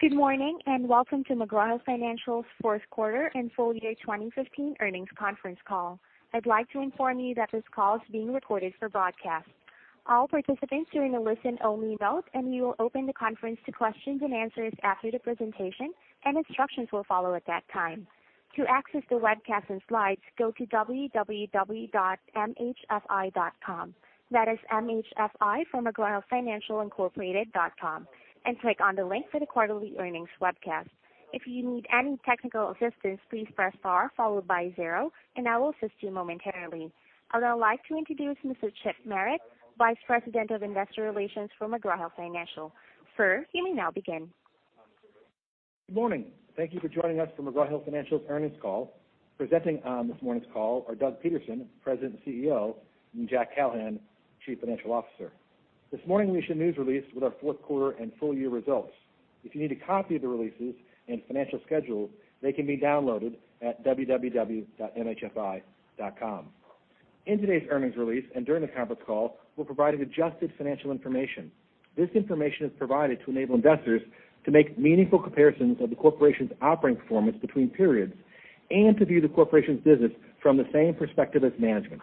Good morning, and welcome to McGraw Hill Financial's fourth quarter and full year 2015 earnings conference call. I'd like to inform you that this call is being recorded for broadcast. All participants during a listen-only mode. We will open the conference to questions and answers after the presentation, and instructions will follow at that time. To access the webcast and slides, go to www.mhfi.com. That is M-H-F-I, for McGraw Hill Financial Incorporated. And click on the link for the quarterly earnings webcast. If you need any technical assistance, please press star followed by zero and I will assist you momentarily. I would now like to introduce Mr. Chip Merritt, Vice President of Investor Relations for McGraw Hill Financial. Sir, you may now begin. Good morning. Thank you for joining us for McGraw Hill Financial's earnings call. Presenting on this morning's call are Doug Peterson, President and CEO, and Jack Callahan, Chief Financial Officer. This morning we issued a news release with our fourth quarter and full year results. If you need a copy of the releases and financial schedule, they can be downloaded at www.mhfi.com. In today's earnings release and during the conference call, we'll provide an adjusted financial information. This information is provided to enable investors to make meaningful comparisons of the corporation's operating performance between periods and to view the corporation's business from the same perspective as management.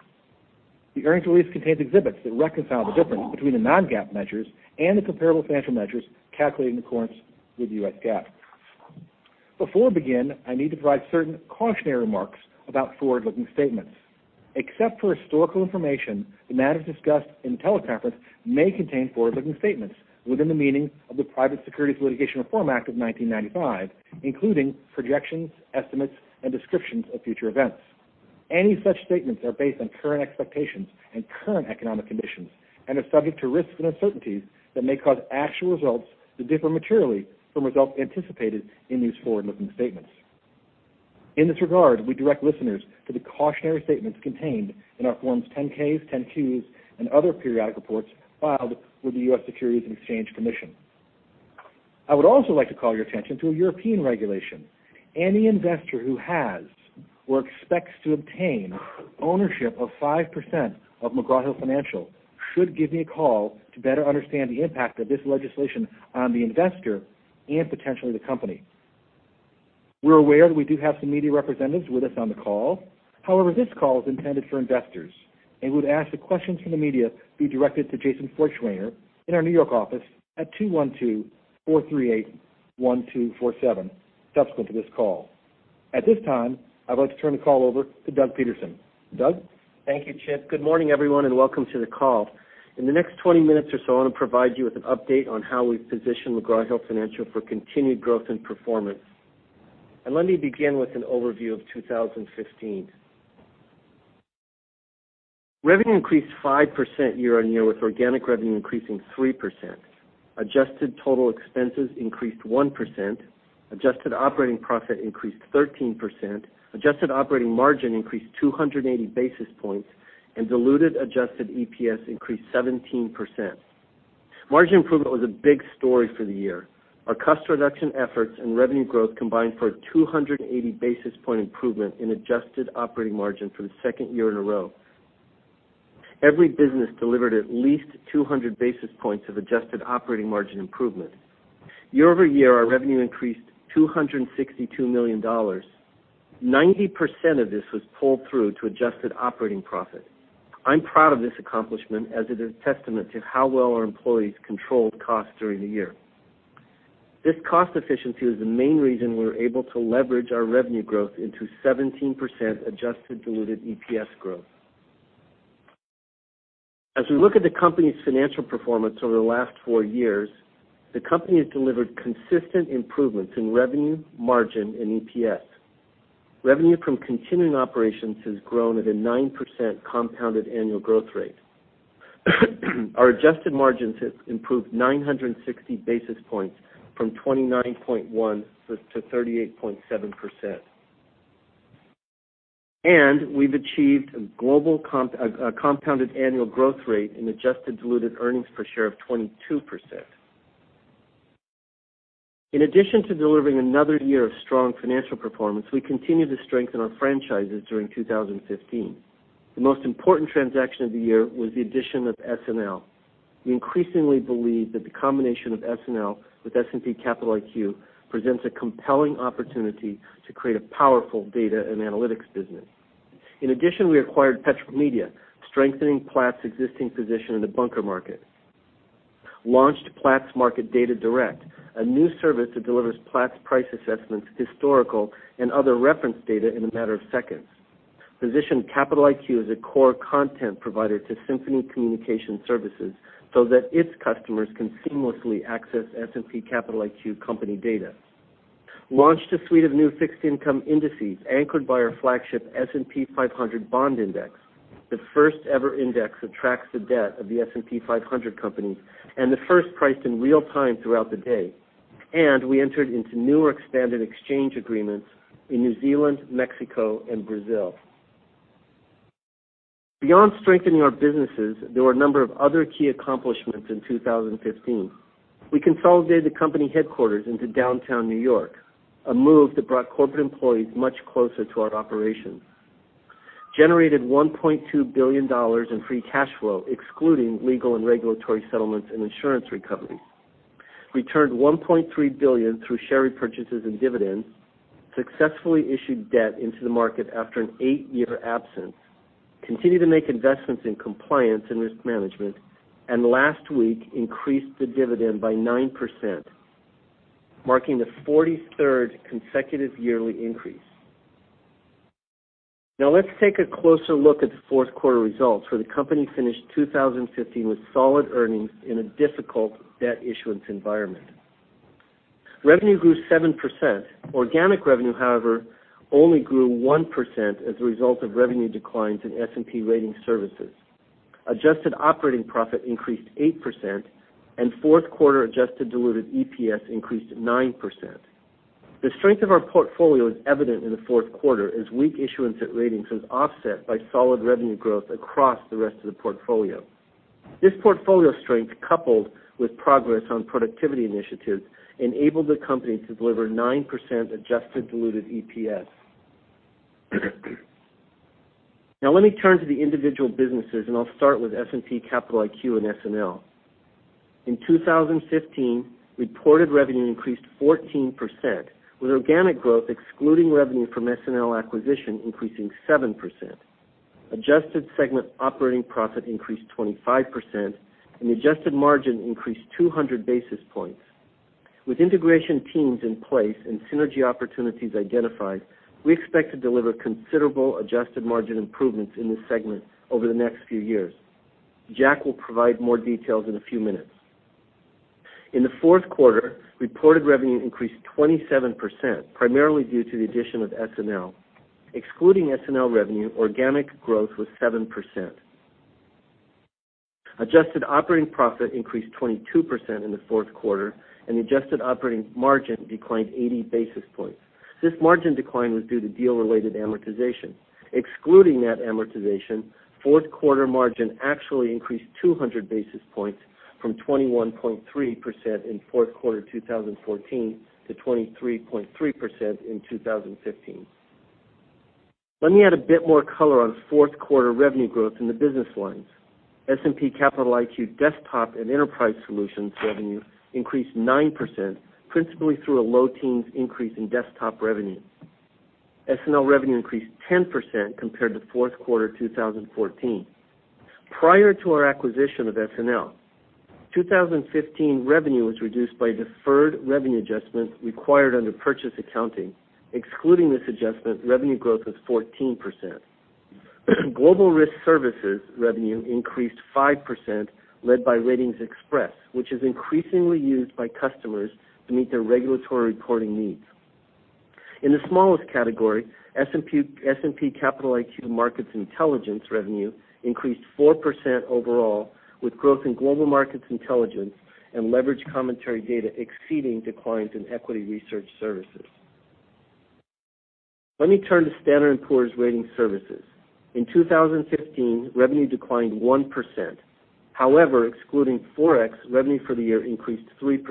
The earnings release contains exhibits that reconcile the difference between the non-GAAP measures and the comparable financial measures calculated in accordance with U.S. GAAP. Before we begin, I need to provide certain cautionary remarks about forward-looking statements. Except for historical information, the matters discussed in the teleconference may contain forward-looking statements within the meaning of the Private Securities Litigation Reform Act of 1995, including projections, estimates, and descriptions of future events. Any such statements are based on current expectations and current economic conditions and are subject to risks and uncertainties that may cause actual results to differ materially from results anticipated in these forward-looking statements. In this regard, we direct listeners to the cautionary statements contained in our forms 10-Ks, 10-Qs, and other periodic reports filed with the U.S. Securities and Exchange Commission. I would also like to call your attention to a European regulation. Any investor who has or expects to obtain ownership of 5% of McGraw Hill Financial should give me a call to better understand the impact of this legislation on the investor and potentially the company. We're aware that we do have some media representatives with us on the call. However, this call is intended for investors. Would ask the questions from the media be directed to Jason Feuchtwanger in our New York office at 212-438-1247 subsequent to this call. At this time, I'd like to turn the call over to Doug Peterson. Doug? Thank you, Chip. Good morning, everyone, and welcome to the call. In the next 20 minutes or so, I want to provide you with an update on how we've positioned McGraw Hill Financial for continued growth and performance. Let me begin with an overview of 2015. Revenue increased 5% year-over-year with organic revenue increasing 3%. Adjusted total expenses increased 1%. Adjusted operating profit increased 13%. Adjusted operating margin increased 280 basis points and diluted adjusted EPS increased 17%. Margin improvement was a big story for the year. Our cost reduction efforts and revenue growth combined for a 280 basis point improvement in adjusted operating margin for the second year in a row. Every business delivered at least 200 basis points of adjusted operating margin improvement. Year-over-year, our revenue increased $262 million. 90% of this was pulled through to adjusted operating profit. I'm proud of this accomplishment as it is a testament to how well our employees controlled costs during the year. This cost efficiency is the main reason we were able to leverage our revenue growth into 17% adjusted diluted EPS growth. As we look at the company's financial performance over the last four years, the company has delivered consistent improvements in revenue, margin and EPS. Revenue from continuing operations has grown at a 9% compounded annual growth rate. Our adjusted margins have improved 960 basis points from 29.1% to 38.7%. We've achieved a compounded annual growth rate in adjusted diluted earnings per share of 22%. In addition to delivering another year of strong financial performance, we continue to strengthen our franchises during 2015. The most important transaction of the year was the addition of SNL. We increasingly believe that the combination of SNL with S&P Capital IQ presents a compelling opportunity to create a powerful data and analytics business. In addition, we acquired Petromedia, strengthening Platts existing position in the bunker market. Launched Platts Market Data Direct, a new service that delivers Platts price assessments, historical, and other reference data in a matter of seconds. Positioned Capital IQ as a core content provider to Symphony Communication Services so that its customers can seamlessly access S&P Capital IQ company data. Launched a suite of new fixed income indices anchored by our flagship S&P 500 Bond Index, the first-ever index that tracks the debt of the S&P 500 companies and the first priced in real time throughout the day. We entered into new or expanded exchange agreements in New Zealand, Mexico, and Brazil. Beyond strengthening our businesses, there were a number of other key accomplishments in 2015. We consolidated the company headquarters into downtown N.Y., a move that brought corporate employees much closer to our operations. Generated $1.2 billion in free cash flow, excluding legal and regulatory settlements and insurance recoveries. Returned $1.3 billion through share repurchases and dividends, successfully issued debt into the market after an 8-year absence, continued to make investments in compliance and risk management, and last week increased the dividend by 9%, marking the 43rd consecutive yearly increase. Now let's take a closer look at the fourth quarter results, where the company finished 2015 with solid earnings in a difficult debt issuance environment. Revenue grew 7%. Organic revenue, however, only grew 1% as a result of revenue declines in S&P Ratings Services. Adjusted operating profit increased 8%, and fourth quarter adjusted diluted EPS increased 9%. The strength of our portfolio is evident in the fourth quarter as weak issuance at Ratings was offset by solid revenue growth across the rest of the portfolio. This portfolio strength, coupled with progress on productivity initiatives, enabled the company to deliver 9% adjusted diluted EPS. Let me turn to the individual businesses. I'll start with S&P Capital IQ and SNL Financial. In 2015, reported revenue increased 14%, with organic growth excluding revenue from SNL Financial acquisition increasing 7%. Adjusted segment operating profit increased 25%, and adjusted margin increased 200 basis points. With integration teams in place and synergy opportunities identified, we expect to deliver considerable adjusted margin improvements in this segment over the next few years. Jack will provide more details in a few minutes. In the fourth quarter, reported revenue increased 27%, primarily due to the addition of SNL Financial. Excluding SNL Financial revenue, organic growth was 7%. Adjusted operating profit increased 22% in the fourth quarter. Adjusted operating margin declined 80 basis points. This margin decline was due to deal-related amortization. Excluding that amortization, fourth quarter margin actually increased 200 basis points from 21.3% in fourth quarter 2014 to 23.3% in 2015. Let me add a bit more color on fourth quarter revenue growth in the business lines. S&P Capital IQ desktop and Enterprise Solutions revenue increased 9%, principally through a low teens increase in desktop revenue. SNL Financial revenue increased 10% compared to fourth quarter 2014. Prior to our acquisition of SNL Financial, 2015 revenue was reduced by deferred revenue adjustments required under purchase accounting. Excluding this adjustment, revenue growth was 14%. Global Risk Services revenue increased 5%, led by RatingsXpress, which is increasingly used by customers to meet their regulatory reporting needs. In the smallest category, S&P Capital IQ Market Intelligence revenue increased 4% overall, with growth in global markets intelligence and Leveraged Commentary & Data exceeding declines in equity research services. Let me turn to Standard & Poor's Ratings Services. In 2015, revenue declined 1%. Excluding Forex, revenue for the year increased 3%.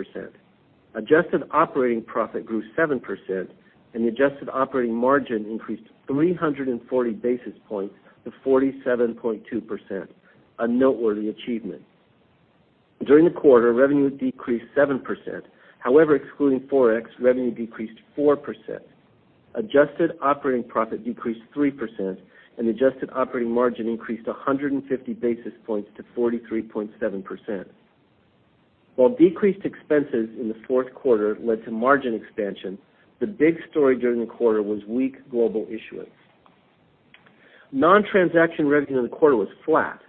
Adjusted operating profit grew 7%, and adjusted operating margin increased 340 basis points to 47.2%, a noteworthy achievement. During the quarter, revenue decreased 7%. Excluding Forex, revenue decreased 4%. Adjusted operating profit decreased 3%, and adjusted operating margin increased 150 basis points to 43.7%. Decreased expenses in the fourth quarter led to margin expansion, the big story during the quarter was weak global issuance. Non-transaction revenue in the quarter was flat.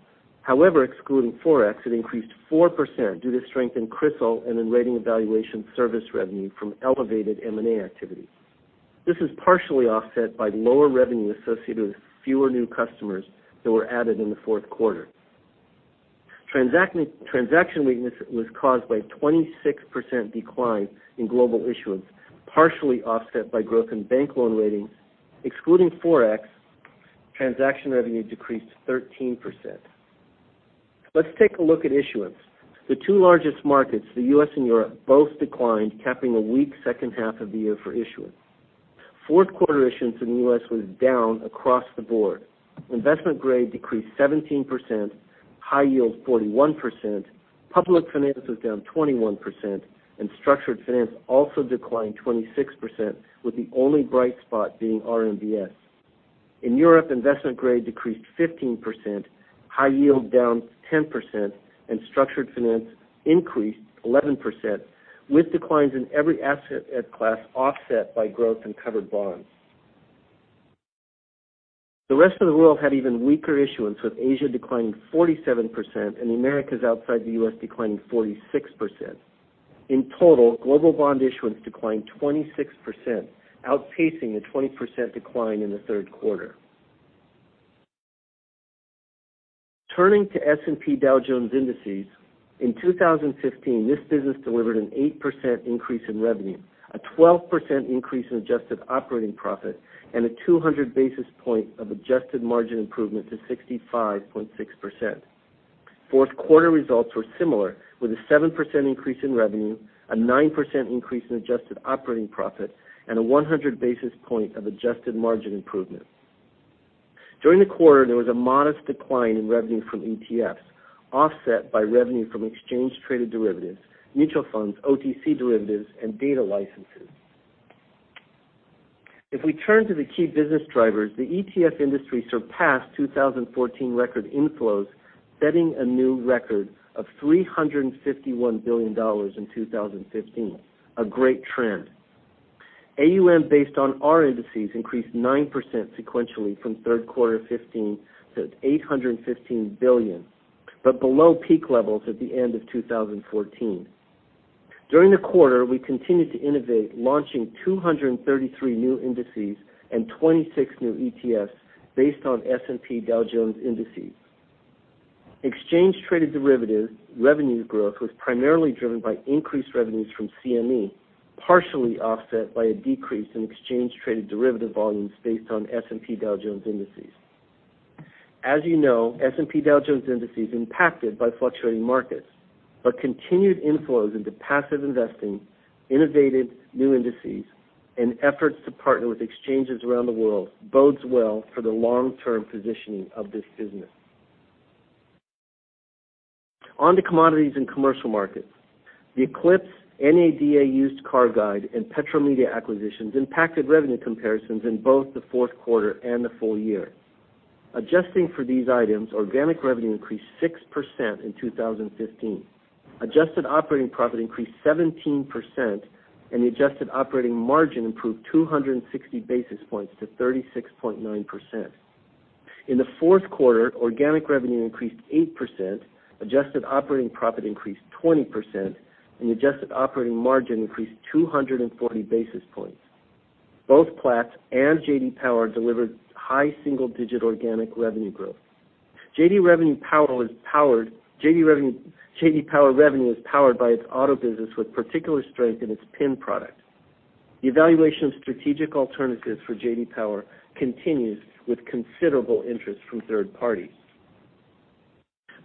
Excluding Forex, it increased 4% due to strength in Crystal and in Rating Evaluation Service revenue from elevated M&A activity. This is partially offset by lower revenue associated with fewer new customers that were added in the fourth quarter. Transaction weakness was caused by a 26% decline in global issuance, partially offset by growth in bank loan ratings. Excluding Forex, transaction revenue decreased 13%. Let's take a look at issuance. The two largest markets, the U.S. and Europe, both declined, capping a weak second half of the year for issuance. Fourth quarter issuance in the U.S. was down across the board. Investment grade decreased 17%, high yield 41%, public finance was down 21%, Structured finance also declined 26%, with the only bright spot being RMBS. In Europe, investment grade decreased 15%, high yield down 10%, Structured finance increased 11%, with declines in every asset class offset by growth in covered bonds. The rest of the world had even weaker issuance, with Asia declining 47% and the Americas outside the U.S. declining 46%. In total, global bond issuance declined 26%, outpacing the 20% decline in the third quarter. Turning to S&P Dow Jones Indices, in 2015, this business delivered an 8% increase in revenue, a 12% increase in adjusted operating profit, and a 200 basis point of adjusted margin improvement to 65.6%. Fourth quarter results were similar, with a 7% increase in revenue, a 9% increase in adjusted operating profit, and a 100 basis point of adjusted margin improvement. During the quarter, there was a modest decline in revenue from ETFs, offset by revenue from exchange-traded derivatives, mutual funds, OTC derivatives, and data licenses. If we turn to the key business drivers, the ETF industry surpassed 2014 record inflows, setting a new record of $351 billion in 2015. A great trend. AUM based on our indices increased 9% sequentially from Q3 2015 to $815 billion, but below peak levels at the end of 2014. During the quarter, we continued to innovate, launching 233 new indices and 26 new ETFs based on S&P Dow Jones Indices. Exchange-traded derivatives revenue growth was primarily driven by increased revenues from CME, partially offset by a decrease in exchange-traded derivative volumes based on S&P Dow Jones Indices. As you know, S&P Dow Jones Indices impacted by fluctuating markets, but continued inflows into passive investing, innovative new indices, and efforts to partner with exchanges around the world bodes well for the long-term positioning of this business. On to commodities and commercial markets. The Eclipse, NADA Used Car Guide, and Petromedia acquisitions impacted revenue comparisons in both the fourth quarter and the full year. Adjusting for these items, organic revenue increased 6% in 2015. Adjusted operating profit increased 17%, and the adjusted operating margin improved 260 basis points to 36.9%. In the fourth quarter, organic revenue increased 8%, adjusted operating profit increased 20%, and adjusted operating margin increased 240 basis points. Both Platts and J.D. Power delivered high single-digit organic revenue growth. J.D. Power revenue is powered by its auto business, with particular strength in its PIN product. The evaluation of strategic alternatives for J.D. Power continues with considerable interest from third parties.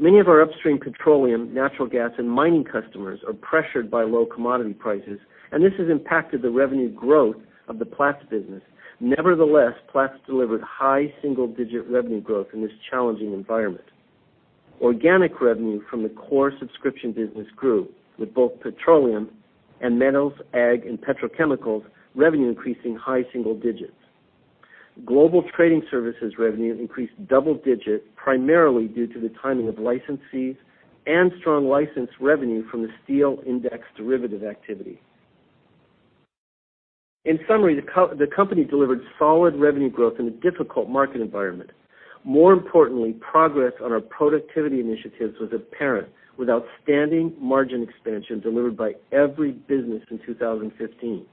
Many of our upstream petroleum, natural gas, and mining customers are pressured by low commodity prices, and this has impacted the revenue growth of the Platts business. Nevertheless, Platts delivered high single-digit revenue growth in this challenging environment. Organic revenue from the core subscription business grew, with both petroleum and metals, ag, and petrochemicals revenue increasing high single digits. Global trading services revenue increased double digits, primarily due to the timing of license fees and strong license revenue from The Steel Index derivative activity. In summary, the company delivered solid revenue growth in a difficult market environment. More importantly, progress on our productivity initiatives was apparent, with outstanding margin expansion delivered by every business in 2015.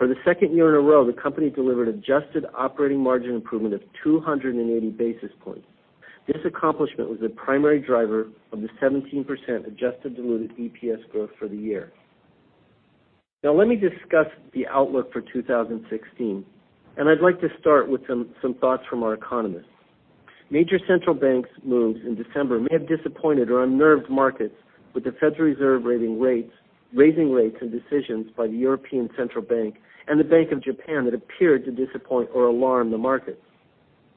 For the second year in a row, the company delivered adjusted operating margin improvement of 280 basis points. This accomplishment was the primary driver of the 17% adjusted diluted EPS growth for the year. Now let me discuss the outlook for 2016, and I'd like to start with some thoughts from our economists. Major central banks moves in December may have disappointed or unnerved markets, with the Federal Reserve raising rates and decisions by the European Central Bank and the Bank of Japan that appeared to disappoint or alarm the markets.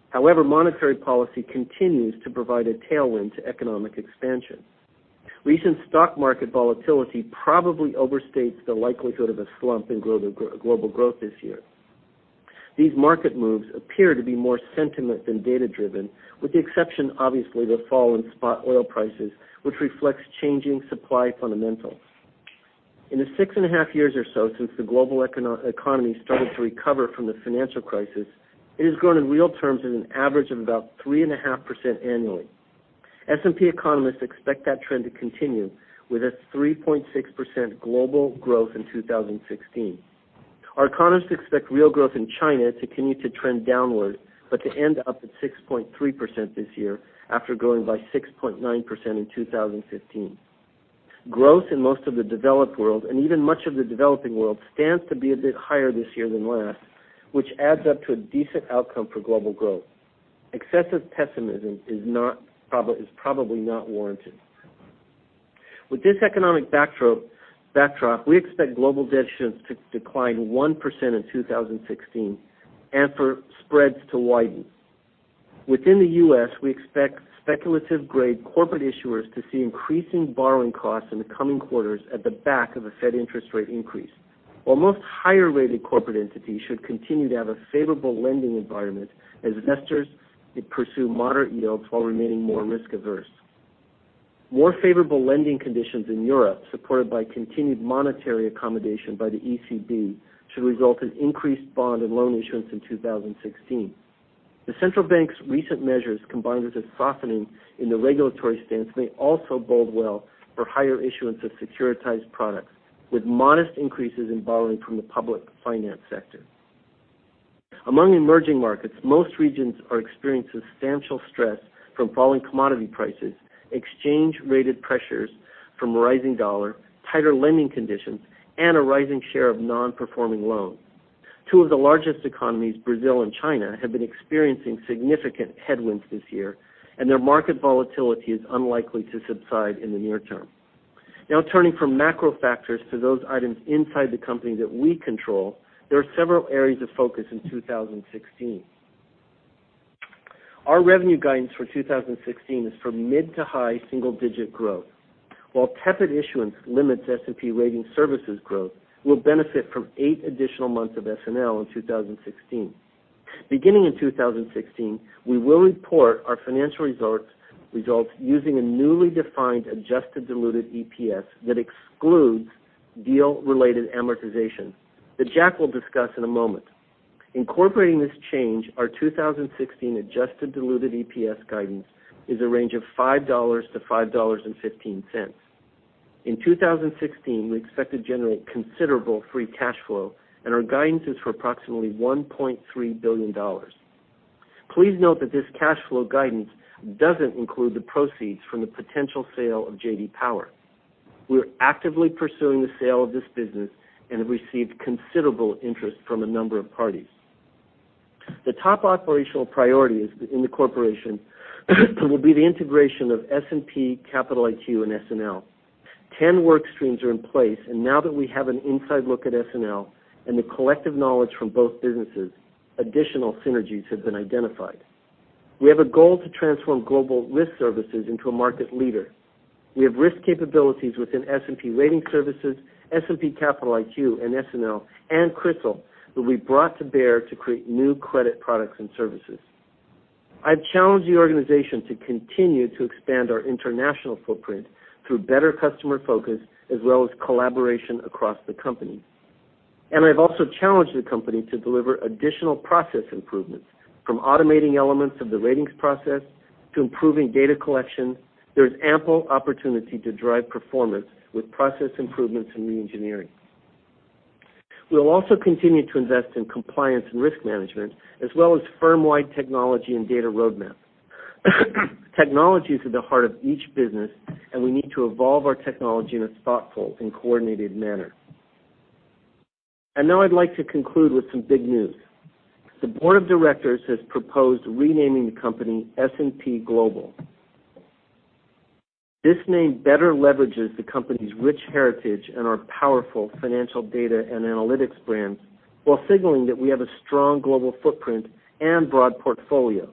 However, monetary policy continues to provide a tailwind to economic expansion. Recent stock market volatility probably overstates the likelihood of a slump in global growth this year. These market moves appear to be more sentiment than data driven, with the exception, obviously, the fall in spot oil prices, which reflects changing supply fundamentals. In the six and a half years or so since the global economy started to recover from the financial crisis, it has grown in real terms at an average of about 3.5% annually. S&P economists expect that trend to continue, with a 3.6% global growth in 2016. Our economists expect real growth in China to continue to trend downward, but to end up at 6.3% this year after growing by 6.9% in 2015. Growth in most of the developed world and even much of the developing world stands to be a bit higher this year than last, which adds up to a decent outcome for global growth. Excessive pessimism is probably not warranted. With this economic backdrop, we expect global debt issuance to decline 1% in 2016 and for spreads to widen. Within the U.S., we expect speculative grade corporate issuers to see increasing borrowing costs in the coming quarters at the back of a Fed interest rate increase. While most higher-rated corporate entities should continue to have a favorable lending environment as investors pursue moderate yields while remaining more risk averse. More favorable lending conditions in Europe, supported by continued monetary accommodation by the ECB, should result in increased bond and loan issuance in 2016. The central bank's recent measures, combined with a softening in the regulatory stance, may also bode well for higher issuance of securitized products, with modest increases in borrowing from the public finance sector. Among emerging markets, most regions are experiencing substantial stress from falling commodity prices, exchange rate pressures from a rising dollar, tighter lending conditions, and a rising share of non-performing loans. Two of the largest economies, Brazil and China, have been experiencing significant headwinds this year, and their market volatility is unlikely to subside in the near term. Turning from macro factors to those items inside the company that we control, there are several areas of focus in 2016. Our revenue guidance for 2016 is for mid to high single-digit growth. While tepid issuance limits S&P Ratings Services growth, we'll benefit from eight additional months of SNL in 2016. Beginning in 2016, we will report our financial results using a newly defined adjusted diluted EPS that excludes deal-related amortization that Jack will discuss in a moment. Incorporating this change, our 2016 adjusted diluted EPS guidance is a range of $5 to $5.15. In 2016, we expect to generate considerable free cash flow, and our guidance is for approximately $1.3 billion. Please note that this cash flow guidance doesn't include the proceeds from the potential sale of J.D. Power. We are actively pursuing the sale of this business and have received considerable interest from a number of parties. The top operational priorities in the corporation will be the integration of S&P Capital IQ and SNL. 10 work streams are in place, and now that we have an inside look at SNL and the collective knowledge from both businesses, additional synergies have been identified. We have a goal to transform Global Risk Services into a market leader. We have risk capabilities within S&P Ratings Services, S&P Capital IQ, SNL Financial, and Crystal, will be brought to bear to create new credit products and services. I've challenged the organization to continue to expand our international footprint through better customer focus as well as collaboration across the company. I've also challenged the company to deliver additional process improvements, from automating elements of the ratings process to improving data collection. There's ample opportunity to drive performance with process improvements and reengineering. We'll also continue to invest in compliance and risk management as well as firm-wide technology and data roadmaps. Technology is at the heart of each business, and we need to evolve our technology in a thoughtful and coordinated manner. Now I'd like to conclude with some big news. The board of directors has proposed renaming the company S&P Global. This name better leverages the company's rich heritage and our powerful financial data and analytics brands while signaling that we have a strong global footprint and broad portfolio.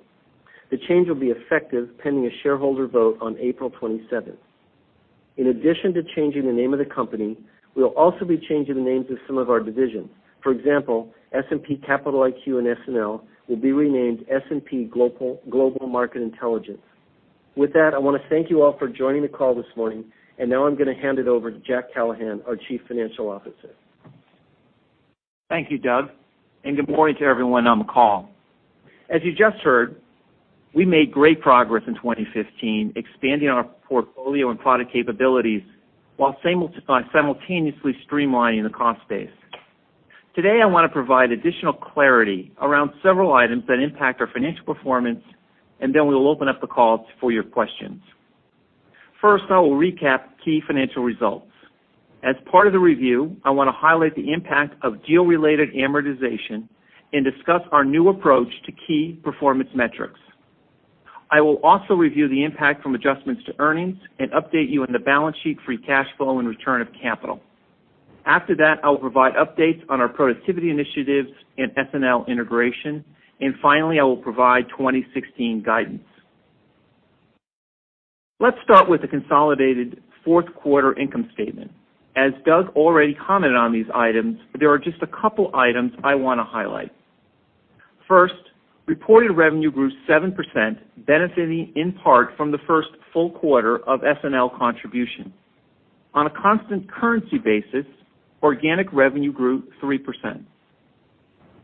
The change will be effective pending a shareholder vote on April 27th. In addition to changing the name of the company, we'll also be changing the names of some of our divisions. For example, S&P Capital IQ and SNL Financial will be renamed S&P Global Market Intelligence. With that, I want to thank you all for joining the call this morning. Now I'm going to hand it over to Jack Callahan, our Chief Financial Officer. Thank you, Doug. Good morning to everyone on the call. As you just heard, we made great progress in 2015 expanding our portfolio and product capabilities while simultaneously streamlining the cost base. Today, I want to provide additional clarity around several items that impact our financial performance. Then we will open up the call for your questions. First, I will recap key financial results. As part of the review, I want to highlight the impact of deal-related amortization and discuss our new approach to key performance metrics. I will also review the impact from adjustments to earnings and update you on the balance sheet, free cash flow, and return of capital. After that, I will provide updates on our productivity initiatives and SNL Financial integration. Finally, I will provide 2016 guidance. Let's start with the consolidated fourth quarter income statement. As Doug already commented on these items, there are just a couple items I want to highlight. First, reported revenue grew 7%, benefiting in part from the first full quarter of SNL Financial contribution. On a constant currency basis, organic revenue grew 3%.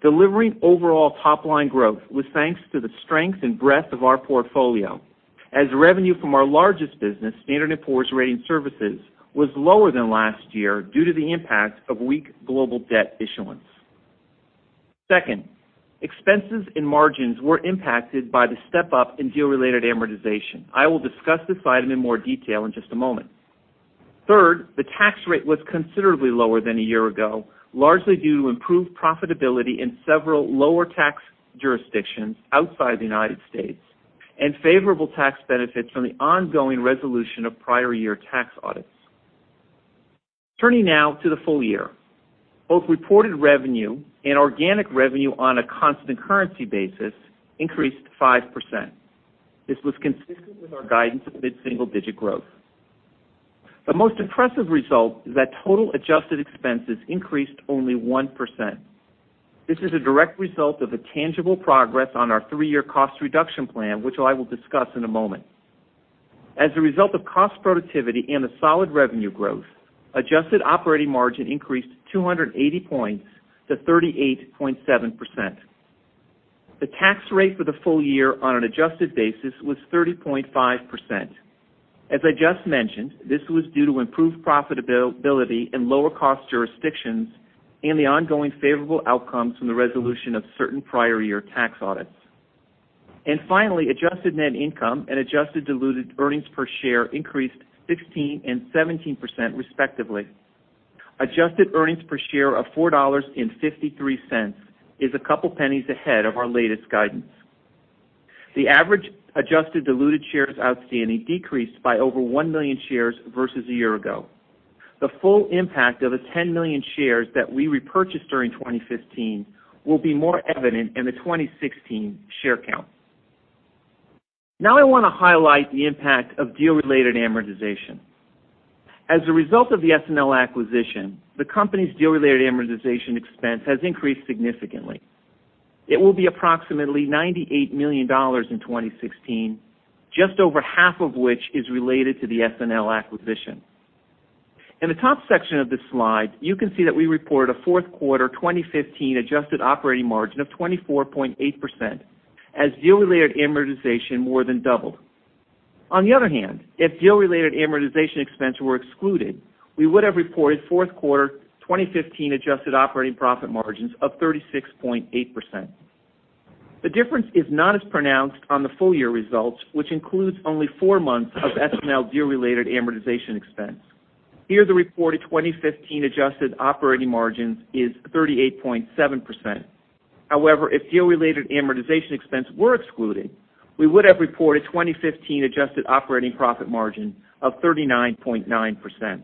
Delivering overall top-line growth was thanks to the strength and breadth of our portfolio as revenue from our largest business, Standard & Poor's Ratings Services, was lower than last year due to the impact of weak global debt issuance. Second, expenses and margins were impacted by the step-up in deal-related amortization. I will discuss this item in more detail in just a moment. Third, the tax rate was considerably lower than a year ago, largely due to improved profitability in several lower tax jurisdictions outside the U.S. and favorable tax benefits from the ongoing resolution of prior year tax audits. Turning now to the full year. Both reported revenue and organic revenue on a constant currency basis increased 5%. This was consistent with our guidance of mid-single digit growth. The most impressive result is that total adjusted expenses increased only 1%. This is a direct result of the tangible progress on our three-year cost reduction plan, which I will discuss in a moment. As a result of cost productivity and a solid revenue growth, adjusted operating margin increased 280 points to 38.7%. The tax rate for the full year on an adjusted basis was 30.5%. As I just mentioned, this was due to improved profitability in lower cost jurisdictions and the ongoing favorable outcomes from the resolution of certain prior year tax audits. Finally, adjusted net income and adjusted diluted earnings per share increased 16% and 17%, respectively. Adjusted earnings per share of $4.53 is $0.02 ahead of our latest guidance. The average adjusted diluted shares outstanding decreased by over 1 million shares versus a year ago. The full impact of the 10 million shares that we repurchased during 2015 will be more evident in the 2016 share count. I want to highlight the impact of deal-related amortization. As a result of the SNL acquisition, the company's deal-related amortization expense has increased significantly. It will be approximately $98 million in 2016, just over half of which is related to the SNL acquisition. In the top section of this slide, you can see that we reported a fourth quarter 2015 adjusted operating margin of 24.8% as deal-related amortization more than doubled. On the other hand, if deal-related amortization expense were excluded, we would have reported fourth quarter 2015 adjusted operating profit margins of 36.8%. The difference is not as pronounced on the full-year results, which includes only four months of SNL deal-related amortization expense. Here, the reported 2015 adjusted operating margins is 38.7%. However, if deal-related amortization expense were excluded, we would have reported 2015 adjusted operating profit margin of 39.9%.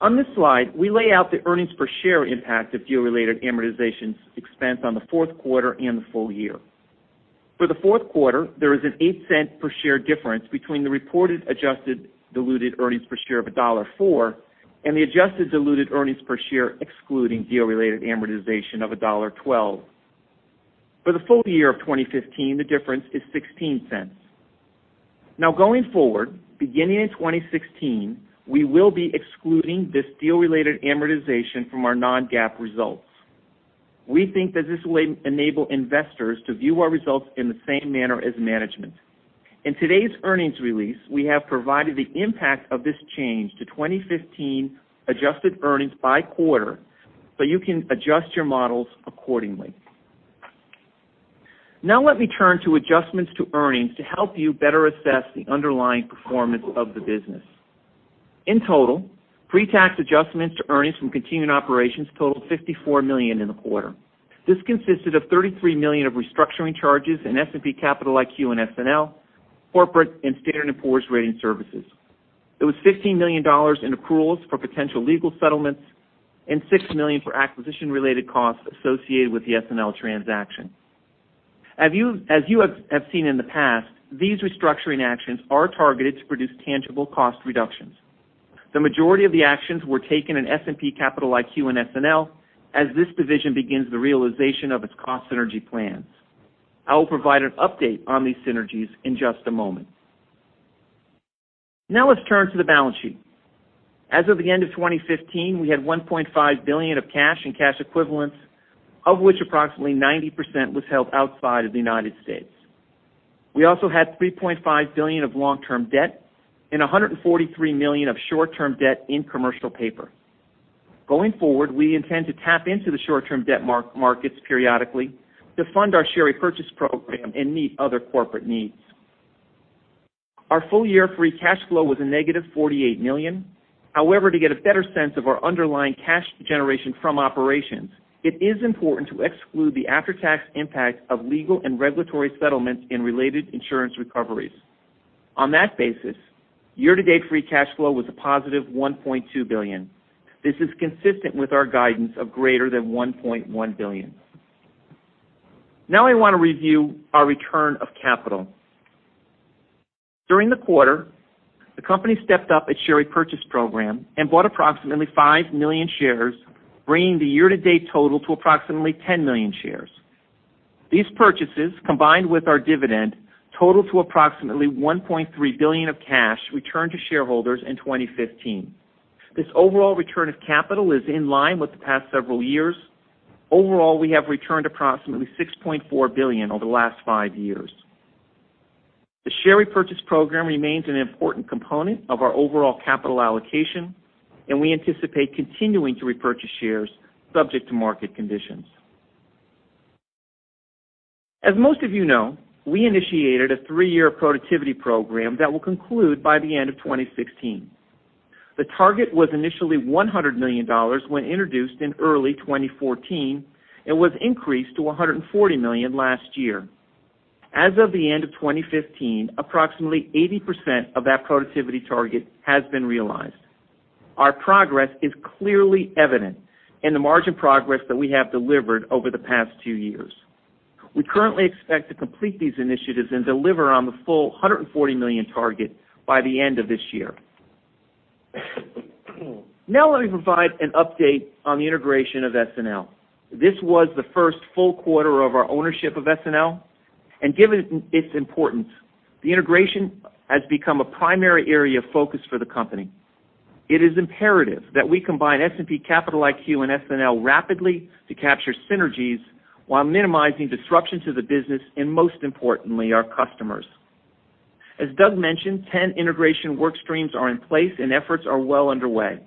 On this slide, we lay out the earnings per share impact of deal-related amortization expense on the fourth quarter and the full year. For the fourth quarter, there is an $0.08 per share difference between the reported adjusted diluted earnings per share of $1.04 and the adjusted diluted earnings per share excluding deal-related amortization of $1.12. For the full year of 2015, the difference is $0.16. Going forward, beginning in 2016, we will be excluding this deal-related amortization from our non-GAAP results. We think that this will enable investors to view our results in the same manner as management. In today's earnings release, we have provided the impact of this change to 2015 adjusted earnings by quarter so you can adjust your models accordingly. Let me turn to adjustments to earnings to help you better assess the underlying performance of the business. In total, pre-tax adjustments to earnings from continuing operations totaled $54 million in the quarter. This consisted of $33 million of restructuring charges in S&P Capital IQ and SNL, corporate and Standard & Poor's Ratings Services. There was $15 million in accruals for potential legal settlements and $6 million for acquisition-related costs associated with the SNL transaction. As you have seen in the past, these restructuring actions are targeted to produce tangible cost reductions. The majority of the actions were taken in S&P Capital IQ and SNL as this division begins the realization of its cost synergy plans. I will provide an update on these synergies in just a moment. Let's turn to the balance sheet. As of the end of 2015, we had $1.5 billion of cash and cash equivalents, of which approximately 90% was held outside of the U.S. We also had $3.5 billion of long-term debt and $143 million of short-term debt in commercial paper. Going forward, we intend to tap into the short-term debt markets periodically to fund our share repurchase program and meet other corporate needs. Our full year free cash flow was a negative $48 million. To get a better sense of our underlying cash generation from operations, it is important to exclude the after-tax impact of legal and regulatory settlements and related insurance recoveries. On that basis, year-to-date free cash flow was a positive $1.2 billion. This is consistent with our guidance of greater than $1.1 billion. I want to review our return of capital. During the quarter, the company stepped up its share repurchase program and bought approximately five million shares, bringing the year-to-date total to approximately 10 million shares. These purchases, combined with our dividend, total to approximately $1.3 billion of cash returned to shareholders in 2015. This overall return of capital is in line with the past several years. Overall, we have returned approximately $6.4 billion over the last five years. The share repurchase program remains an important component of our overall capital allocation, and we anticipate continuing to repurchase shares subject to market conditions. As most of you know, we initiated a three-year productivity program that will conclude by the end of 2016. The target was initially $100 million when introduced in early 2014. It was increased to $140 million last year. As of the end of 2015, approximately 80% of that productivity target has been realized. Our progress is clearly evident in the margin progress that we have delivered over the past two years. We currently expect to complete these initiatives and deliver on the full $140 million target by the end of this year. Let me provide an update on the integration of SNL. This was the first full quarter of our ownership of SNL, and given its importance, the integration has become a primary area of focus for the company. It is imperative that we combine S&P Capital IQ and SNL rapidly to capture synergies while minimizing disruption to the business and most importantly, our customers. As Doug mentioned, 10 integration work streams are in place and efforts are well underway.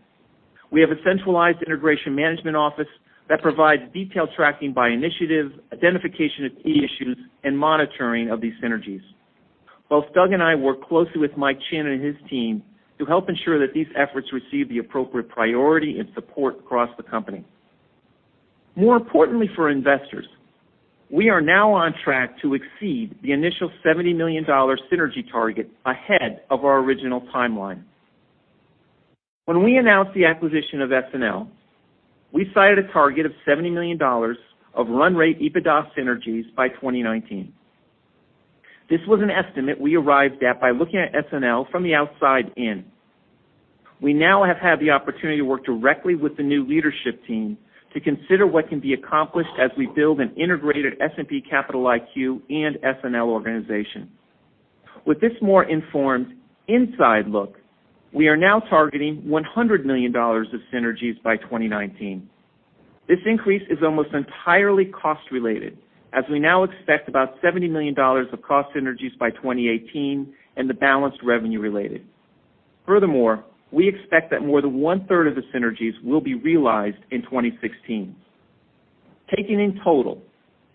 We have a centralized integration management office that provides detailed tracking by initiative, identification of key issues, and monitoring of these synergies. Both Doug and I work closely with Mike Chinn and his team to help ensure that these efforts receive the appropriate priority and support across the company. More importantly for investors, we are now on track to exceed the initial $70 million synergy target ahead of our original timeline. When we announced the acquisition of SNL, we cited a target of $70 million of run rate EBITDA synergies by 2019. This was an estimate we arrived at by looking at SNL from the outside in. We now have had the opportunity to work directly with the new leadership team to consider what can be accomplished as we build an integrated S&P Capital IQ and SNL organization. With this more informed inside look, we are now targeting $100 million of synergies by 2019. This increase is almost entirely cost related, as we now expect about $70 million of cost synergies by 2018, and the balance revenue related. Furthermore, we expect that more than one-third of the synergies will be realized in 2016. Taken in total,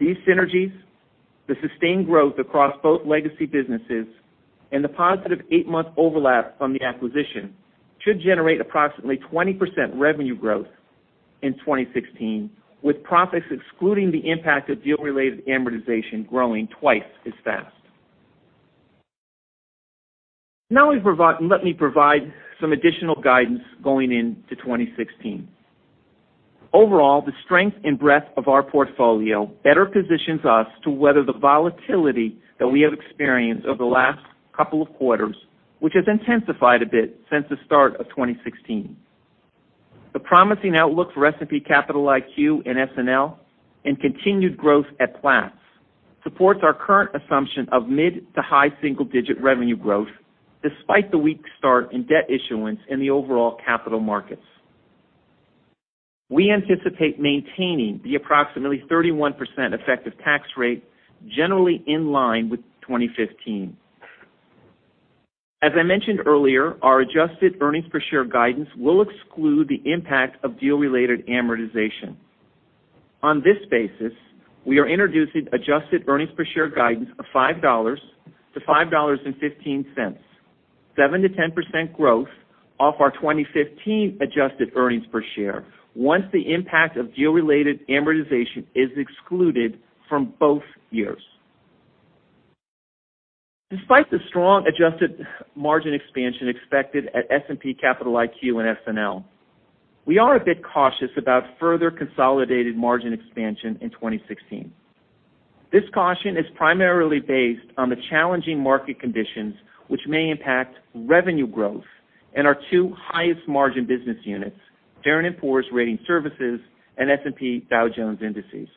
these synergies, the sustained growth across both legacy businesses, and the positive eight-month overlap from the acquisition should generate approximately 20% revenue growth in 2016, with profits excluding the impact of deal-related amortization growing twice as fast. Let me provide some additional guidance going into 2016. Overall, the strength and breadth of our portfolio better positions us to weather the volatility that we have experienced over the last couple of quarters, which has intensified a bit since the start of 2016. The promising outlook for S&P Capital IQ and SNL and continued growth at Platts supports our current assumption of mid to high single-digit revenue growth despite the weak start in debt issuance in the overall capital markets. We anticipate maintaining the approximately 31% effective tax rate generally in line with 2015. As I mentioned earlier, our adjusted earnings per share guidance will exclude the impact of deal-related amortization. On this basis, we are introducing adjusted earnings per share guidance of $5 to $5.15, 7%-10% growth off our 2015 adjusted earnings per share, once the impact of deal-related amortization is excluded from both years. Despite the strong adjusted margin expansion expected at S&P Capital IQ and SNL, we are a bit cautious about further consolidated margin expansion in 2016. This caution is primarily based on the challenging market conditions which may impact revenue growth in our two highest margin business units, Standard & Poor's Ratings Services and S&P Dow Jones Indices.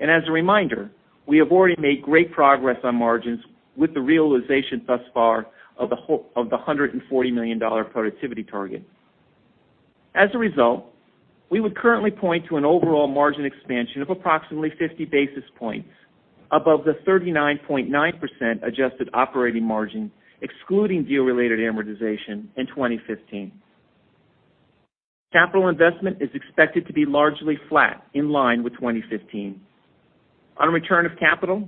As a reminder, we have already made great progress on margins with the realization thus far of the $140 million productivity target. As a result, we would currently point to an overall margin expansion of approximately 50 basis points above the 39.9% adjusted operating margin, excluding deal-related amortization in 2015. Capital investment is expected to be largely flat in line with 2015. On return of capital,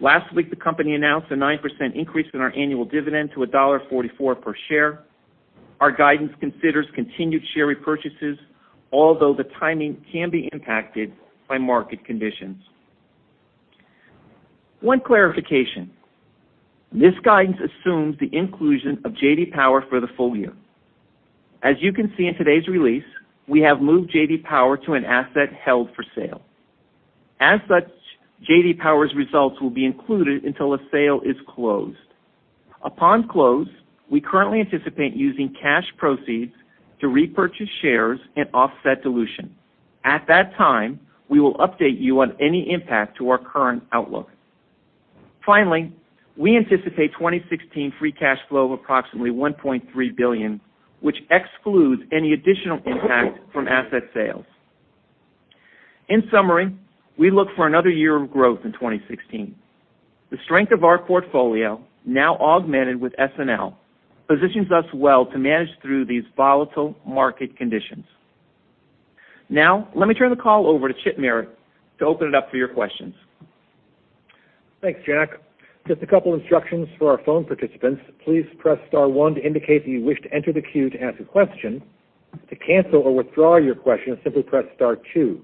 last week the company announced a 9% increase in our annual dividend to $1.44 per share. Our guidance considers continued share repurchases, although the timing can be impacted by market conditions. One clarification. This guidance assumes the inclusion of J.D. Power for the full year. As you can see in today's release, we have moved J.D. Power to an asset held for sale. As such, J.D. Power's results will be included until a sale is closed. Upon close, we currently anticipate using cash proceeds to repurchase shares and offset dilution. At that time, we will update you on any impact to our current outlook. Finally, we anticipate 2016 free cash flow of approximately $1.3 billion, which excludes any additional impact from asset sales. In summary, we look for another year of growth in 2016. The strength of our portfolio, now augmented with SNL, positions us well to manage through these volatile market conditions. Let me turn the call over to Chip Merritt to open it up for your questions. Thanks, Jack. Just a couple instructions for our phone participants. Please press star one to indicate that you wish to enter the queue to ask a question. To cancel or withdraw your question, simply press star two.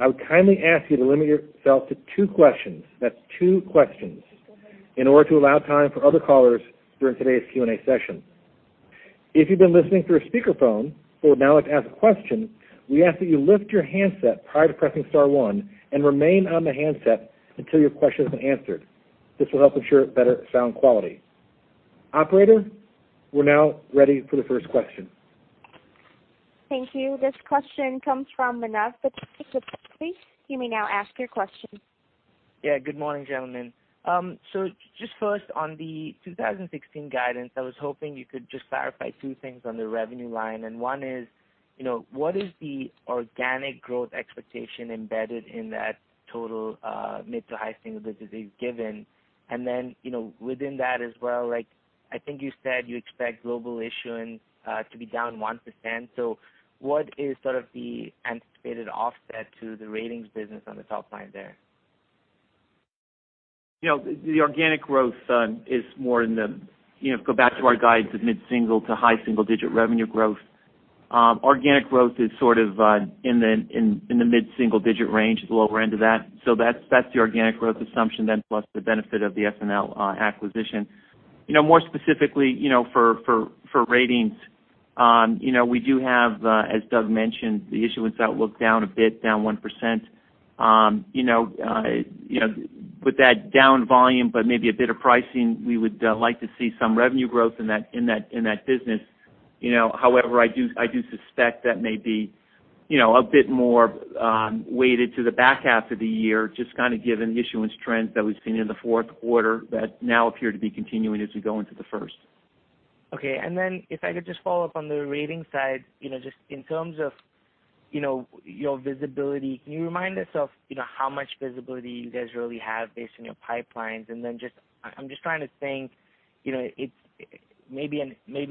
I would kindly ask you to limit yourself to two questions. That's two questions, in order to allow time for other callers during today's Q&A session. If you've been listening through a speakerphone who would now like to ask a question, we ask that you lift your handset prior to pressing star one and remain on the handset until your question has been answered. This will help ensure better sound quality. Operator, we're now ready for the first question. Thank you. This question comes from Manav Patnaik with Barclays. You may now ask your question. Yeah. Good morning, gentlemen. Just first on the 2016 guidance, I was hoping you could just clarify two things on the revenue line. One is, what is the organic growth expectation embedded in that total mid to high single digits that you've given? Then, within that as well, I think you said you expect global issuance to be down 1%. What is sort of the anticipated offset to the ratings business on the top line there? Go back to our guides of mid-single to high single-digit revenue growth. Organic growth is sort of in the mid-single-digit range at the lower end of that. That's the organic growth assumption then plus the benefit of the SNL acquisition. More specifically, for ratings, we do have, as Doug mentioned, the issuance outlook down a bit, down 1%. With that down volume but maybe a bit of pricing, we would like to see some revenue growth in that business. However, I do suspect that may be a bit more weighted to the back half of the year, just kind of given the issuance trends that we've seen in the fourth quarter that now appear to be continuing as we go into the first. Okay. If I could just follow up on the ratings side, just in terms of your visibility, can you remind us of how much visibility you guys really have based on your pipelines? I'm just trying to think. Maybe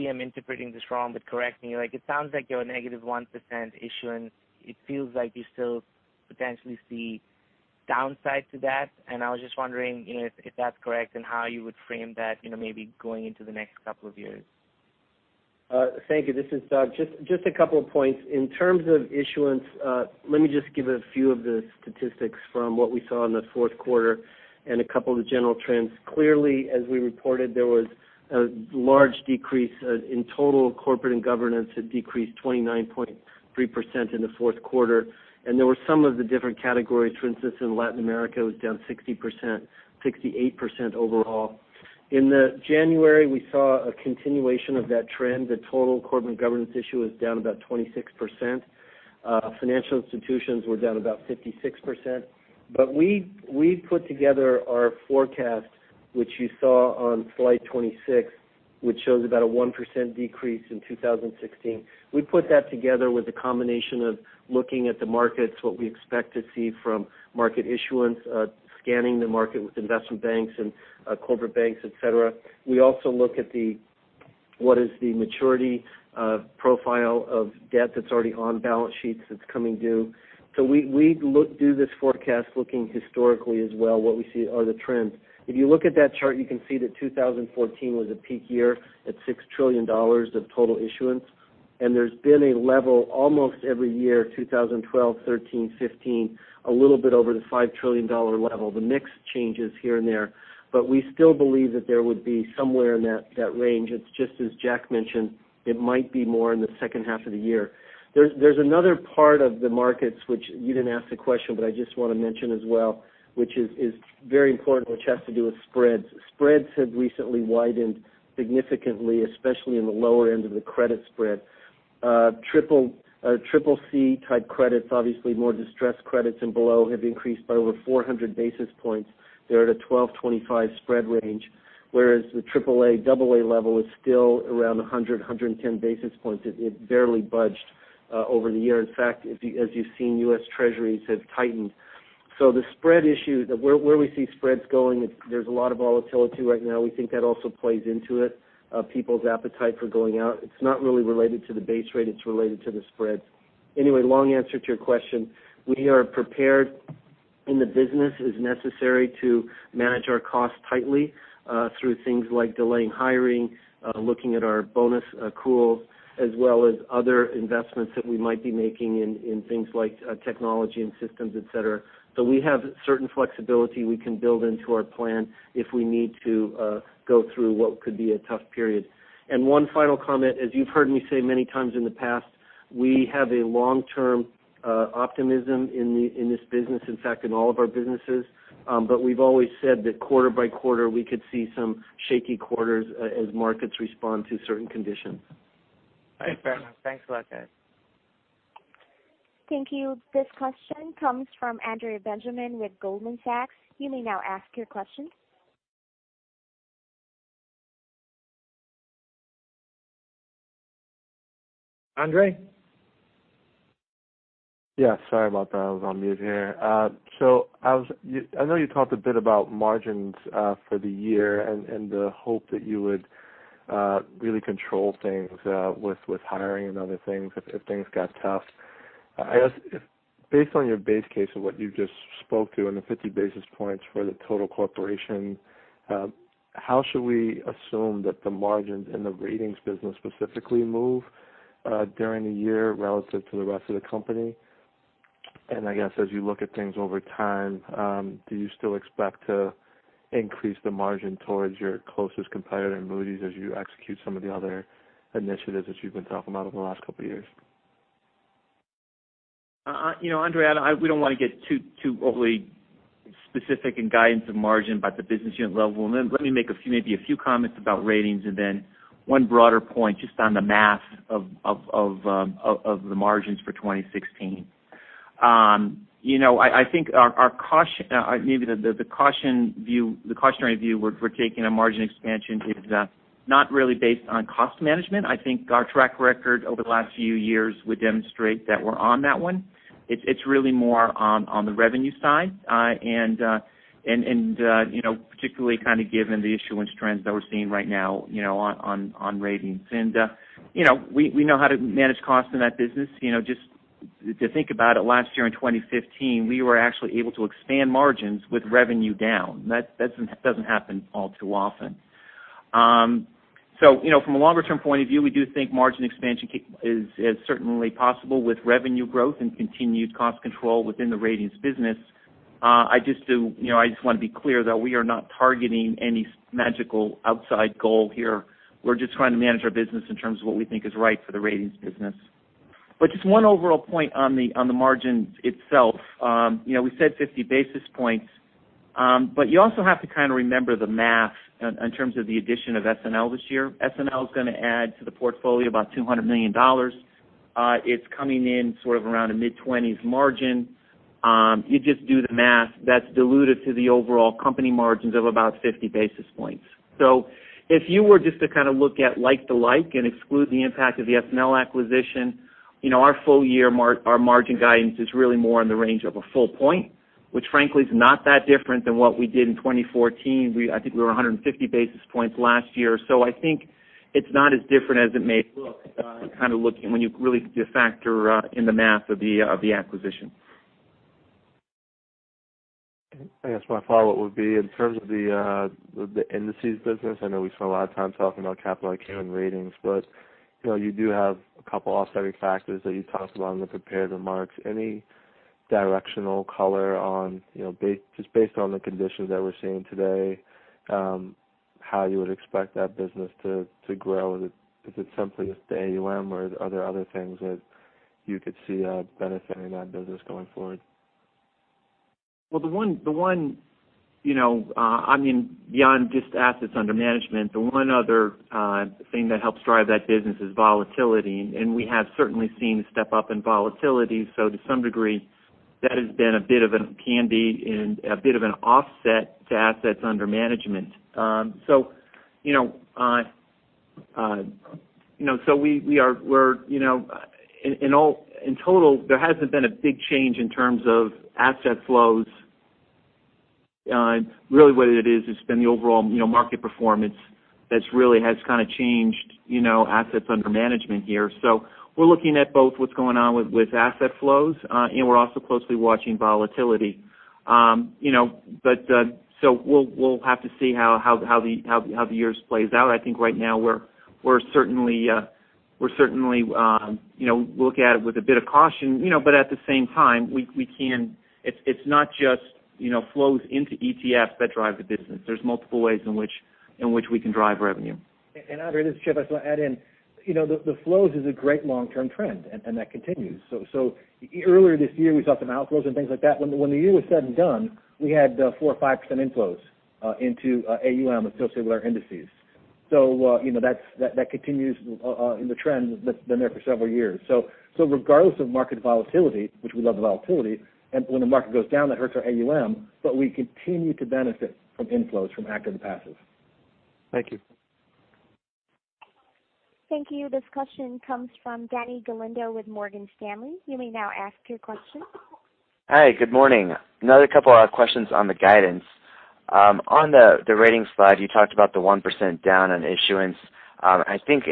I'm interpreting this wrong, but correct me. It sounds like you have a -1% issuance. It feels like you still potentially see downside to that, and I was just wondering if that's correct and how you would frame that maybe going into the next couple of years. Thank you. This is Doug. Just a couple of points. In terms of issuance, let me just give a few of the statistics from what we saw in the fourth quarter and a couple of the general trends. Clearly, as we reported, there was a large decrease in total corporate and government. It decreased 29.3% in the fourth quarter, and there were some of the different categories. For instance, in Latin America, it was down 68% overall. In January, we saw a continuation of that trend. The total corporate and government issue was down about 26%. Financial institutions were down about 56%. We put together our forecast, which you saw on slide 26, which shows about a 1% decrease in 2016. We put that together with a combination of looking at the markets, what we expect to see from market issuance, scanning the market with investment banks and corporate banks, et cetera. We also look at what is the maturity profile of debt that's already on balance sheets that's coming due. We do this forecast looking historically as well, what we see are the trends. If you look at that chart, you can see that 2014 was a peak year at $6 trillion of total issuance. There's been a level almost every year, 2012, 2013, 2015, a little bit over the $5 trillion level. The mix changes here and there. We still believe that there would be somewhere in that range. It's just as Jack mentioned, it might be more in the second half of the year. There's another part of the markets, which you didn't ask the question, but I just want to mention as well, which is very important, which has to do with spreads. Spreads have recently widened significantly, especially in the lower end of the credit spread. Triple C type credits, obviously more distressed credits and below have increased by over 400 basis points. They're at a 1225 spread range, whereas the triple A, double A level is still around 100, 110 basis points. It barely budged over the year. In fact, as you've seen, U.S. Treasuries have tightened. The spread issue, where we see spreads going, there's a lot of volatility right now. We think that also plays into it. People's appetite for going out. It's not really related to the base rate, it's related to the spreads. Anyway, long answer to your question. We are prepared in the business as necessary to manage our costs tightly through things like delaying hiring, looking at our bonus accruals, as well as other investments that we might be making in things like technology and systems, et cetera. We have certain flexibility we can build into our plan if we need to go through what could be a tough period. One final comment, as you've heard me say many times in the past, we have a long-term optimism in this business, in fact, in all of our businesses. We've always said that quarter by quarter, we could see some shaky quarters as markets respond to certain conditions. All right, fair enough. Thanks a lot, guys. Thank you. This question comes from Andre Benjamin with Goldman Sachs. You may now ask your question. Andre? Yeah, sorry about that. I was on mute here. I know you talked a bit about margins for the year and the hope that you would really control things with hiring and other things if things got tough. I guess based on your base case of what you just spoke to and the 50 basis points for the total corporation, how should we assume that the margins in the Ratings business specifically move during the year relative to the rest of the company? I guess as you look at things over time, do you still expect to increase the margin towards your closest competitor, Moody's, as you execute some of the other initiatives that you've been talking about over the last couple of years? Andre, we don't want to get too overly specific in guidance of margin by the business unit level. Let me make maybe a few comments about ratings and then one broader point just on the math of the margins for 2016. I think maybe the cautionary view we're taking on margin expansion is not really based on cost management. I think our track record over the last few years would demonstrate that we're on that one. It's really more on the revenue side, and particularly kind of given the issuance trends that we're seeing right now on ratings. We know how to manage costs in that business. Just to think about it, last year in 2015, we were actually able to expand margins with revenue down. That doesn't happen all too often. From a longer-term point of view, we do think margin expansion is certainly possible with revenue growth and continued cost control within the ratings business. I just want to be clear that we are not targeting any magical outside goal here. We're just trying to manage our business in terms of what we think is right for the ratings business. Just one overall point on the margins itself. We said 50 basis points, but you also have to kind of remember the math in terms of the addition of SNL this year. SNL is going to add to the portfolio about $200 million. It's coming in sort of around a mid-20s margin. You just do the math. That's diluted to the overall company margins of about 50 basis points. If you were just to kind of look at like to like and exclude the impact of the SNL acquisition, our full-year margin guidance is really more in the range of a full point, which frankly is not that different than what we did in 2014. I think we were 150 basis points last year. I think it's not as different as it may look kind of looking when you really factor in the math of the acquisition. I guess my follow-up would be in terms of the indices business. I know we spent a lot of time talking about capital and ratings, but you do have a couple offsetting factors that you talked about on the prepared remarks. Any directional color just based on the conditions that we're seeing today, how you would expect that business to grow? Is it simply just the AUM or are there other things that you could see benefiting that business going forward? Beyond just assets under management, the one other thing that helps drive that business is volatility, and we have certainly seen a step-up in volatility. To some degree, that has been a bit of a handy and a bit of an offset to assets under management. In total, there hasn't been a big change in terms of asset flows. Really what it is, it's been the overall market performance that really has kind of changed assets under management here. We're looking at both what's going on with asset flows, and we're also closely watching volatility. We'll have to see how the year plays out. I think right now we'll certainly look at it with a bit of caution, but at the same time, it's not just flows into ETFs that drive the business. There's multiple ways in which we can drive revenue. Andre, this is Chip. I just want to add in. The flows is a great long-term trend, and that continues. Earlier this year, we saw some outflows and things like that. When the year was said and done, we had 4% or 5% inflows into AUM associated with our indices. That continues in the trend that's been there for several years. Regardless of market volatility, which we love the volatility, and when the market goes down, that hurts our AUM, but we continue to benefit from inflows from active and passive. Thank you. Thank you. This question comes from Denny Galindo with Morgan Stanley. You may now ask your question. Hi. Good morning. Another couple of questions on the guidance. On the ratings slide, you talked about the 1% down on issuance. I think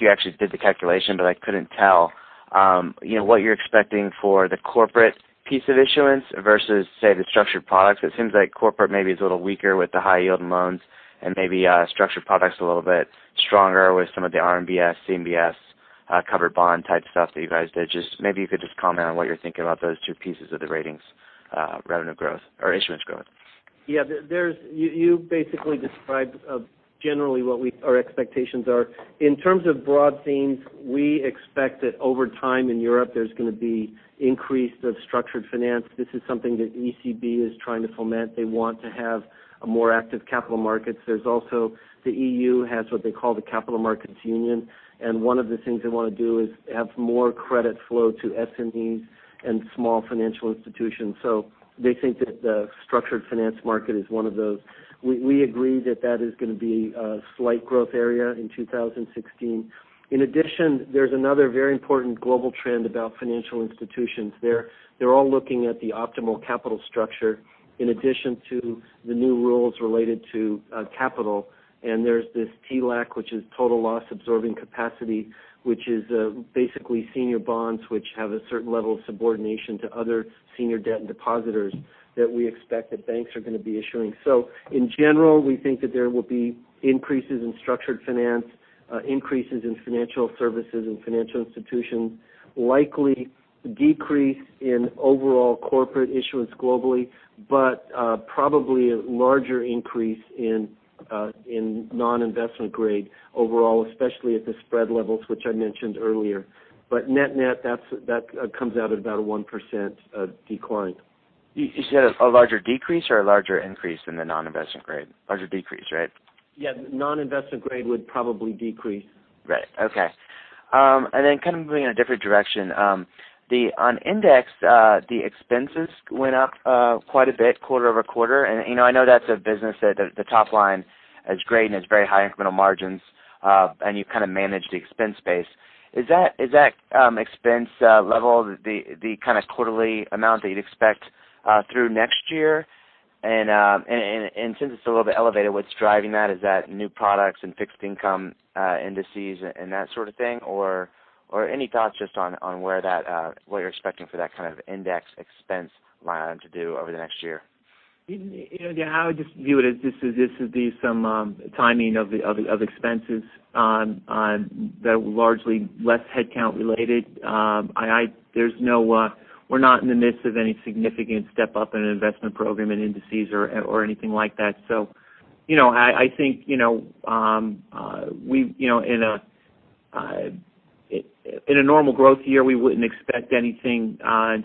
you actually did the calculation, but I couldn't tell what you're expecting for the corporate piece of issuance versus, say, the structured products. It seems like corporate maybe is a little weaker with the high yield and loans and maybe structured products a little bit stronger with some of the RMBS, CMBS covered bond type stuff that you guys did. Just maybe you could just comment on what you're thinking about those two pieces of the ratings revenue growth or issuance growth. You basically described generally what our expectations are. In terms of broad themes, we expect that over time in Europe, there's going to be increase of structured finance. This is something that ECB is trying to foment. They want to have a more active capital markets. The EU has what they call the Capital Markets Union. One of the things they want to do is have more credit flow to SMEs and small financial institutions. They think that the structured finance market is one of those. We agree that that is going to be a slight growth area in 2016. In addition, there's another very important global trend about financial institutions. They're all looking at the optimal capital structure in addition to the new rules related to capital. There's this TLAC, which is total loss-absorbing capacity, which is basically senior bonds which have a certain level of subordination to other senior debt and depositors that we expect that banks are going to be issuing. In general, we think that there will be increases in structured finance, increases in financial services and financial institutions, likely decrease in overall corporate issuance globally, but probably a larger increase in non-investment grade overall, especially at the spread levels, which I mentioned earlier. Net net, that comes out at about a 1% decline. You said a larger decrease or a larger increase in the non-investment grade? Larger decrease, right? Yeah. Non-investment grade would probably decrease. Right. Okay. Then kind of moving in a different direction. On Index, the expenses went up quite a bit quarter-over-quarter, and I know that's a business that the top line is great and it's very high incremental margins, and you kind of manage the expense base. Is that expense level the kind of quarterly amount that you'd expect through next year? Since it's a little bit elevated, what's driving that? Is that new products and fixed income indices and that sort of thing? Or any thoughts just on what you're expecting for that kind of Index expense line item to do over the next year? I would just view it as this would be some timing of expenses that were largely less headcount related. We're not in the midst of any significant step-up in an investment program in indices or anything like that. I think, in a normal growth year, we wouldn't expect anything.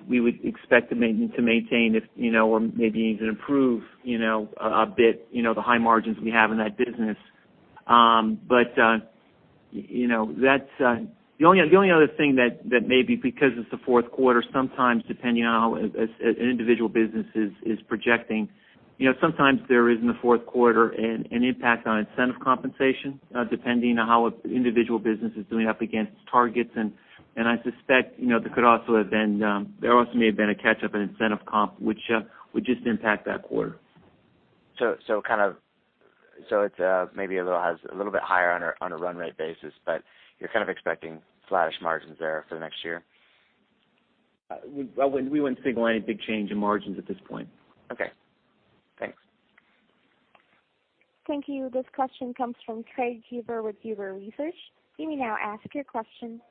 We would expect to maintain or maybe even improve a bit the high margins we have in that business. The only other thing that may be because it's the fourth quarter, sometimes depending on how an individual business is projecting, sometimes there is in the fourth quarter an impact on incentive compensation, depending on how an individual business is doing up against its targets. I suspect there also may have been a catch-up in incentive comp, which would just impact that quarter. It's maybe has a little bit higher on a run-rate basis, but you're kind of expecting flattish margins there for the next year? We wouldn't signal any big change in margins at this point. Okay. Thanks. Thank you. This question comes from Craig Huber with Huber Research Partners. You may now ask your question.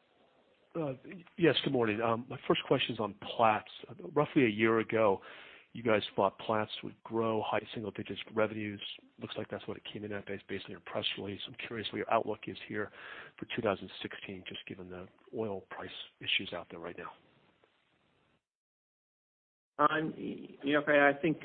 Yes. Good morning. My first question's on Platts. Roughly a year ago, you guys thought Platts would grow high single digits revenues. Looks like that's what it came in at based on your press release. I'm curious what your outlook is here for 2016, just given the oil price issues out there right now. Craig, I think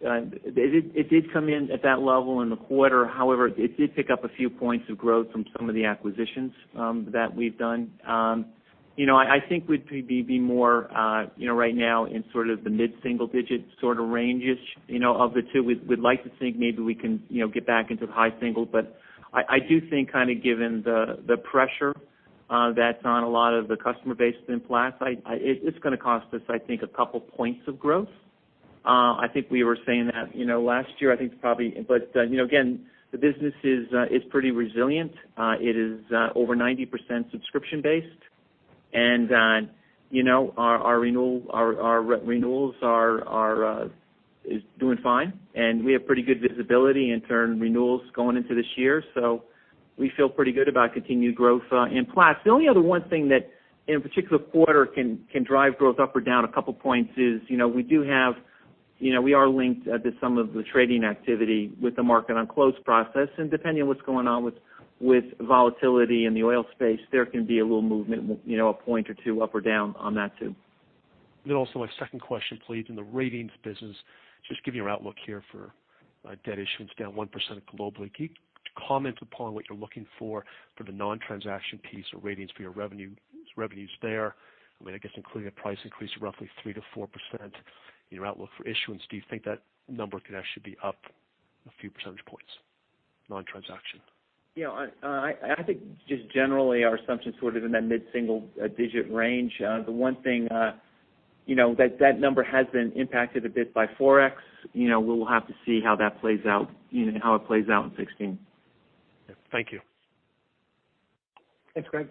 it did come in at that level in the quarter. However, it did pick up a few points of growth from some of the acquisitions that we've done. I think we'd be more right now in sort of the mid-single digit sort of ranges of the two. We'd like to think maybe we can get back into the high single, but I do think kind of given the pressure that's on a lot of the customer base within Platts, it's going to cost us, I think, a couple points of growth. I think we were saying that last year. Again, the business is pretty resilient. It is over 90% subscription based, and our renewals is doing fine, and we have pretty good visibility in term renewals going into this year. We feel pretty good about continued growth in Platts. The only other one thing that in a particular quarter can drive growth up or down a couple points is we are linked to some of the trading activity with the market on close process, and depending on what's going on with volatility in the oil space, there can be a little movement, a point or two up or down on that, too. Also my second question, please. In the ratings business, just give your outlook here for debt issuance down 1% globally. Can you comment upon what you're looking for the non-transaction piece or ratings for your revenues there? I guess including a price increase of roughly 3%-4% in your outlook for issuance, do you think that number could actually be up a few percentage points, non-transaction? I think just generally our assumption's sort of in that mid-single-digit range. The one thing, that number has been impacted a bit by Forex. We'll have to see how it plays out in 2016. Thank you. Thanks, Trey.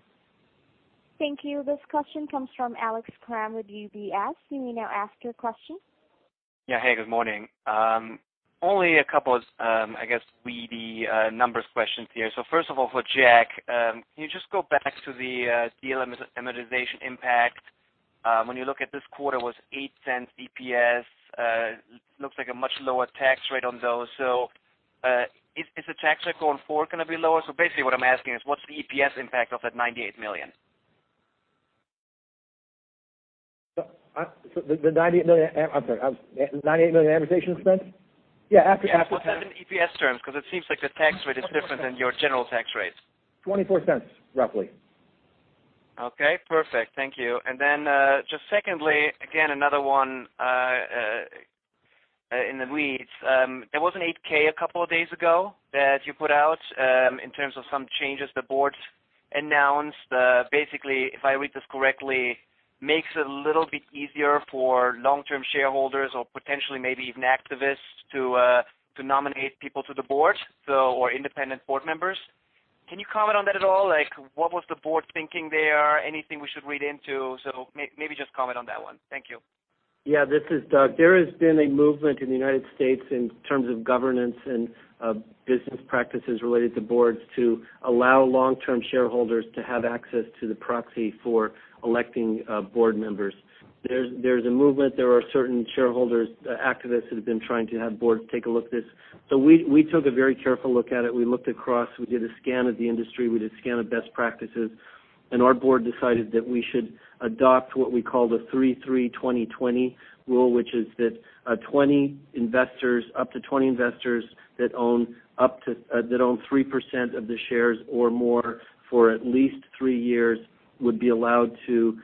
Thank you. This question comes from Alex Kramm with UBS. You may now ask your question. Yeah. Hey, good morning. Only a couple of, I guess, weedy numbers questions here. First of all, for Jack, can you just go back to the deal amortization impact? When you look at this quarter, it was $0.08 EPS. Looks like a much lower tax rate on those. Is the tax rate going forward going to be lower? Basically what I'm asking is what's the EPS impact of that $98 million? The $98 million amortization expense? Yeah, after- Yeah. What's that in EPS terms? It seems like the tax rate is different than your general tax rate. $0.24, roughly. Okay, perfect. Thank you. Secondly, again another one in the weeds. There was an 8-K a couple of days ago that you put out in terms of some changes the board's announced. Basically, if I read this correctly, makes it a little bit easier for long-term shareholders or potentially maybe even activists to nominate people to the board or independent board members. Can you comment on that at all? What was the board thinking there? Anything we should read into? Maybe just comment on that one. Thank you. Yeah. This is Doug. There has been a movement in the U.S. in terms of governance and business practices related to boards to allow long-term shareholders to have access to the proxy for electing board members. There's a movement. There are certain shareholders, activists that have been trying to have boards take a look at this. We took a very careful look at it. We looked across. We did a scan of the industry. We did a scan of best practices. Our board decided that we should adopt what we call the 3-3-20-20 rule, which is that up to 20 investors that own 3% of the shares or more for at least 3 years, would be allowed to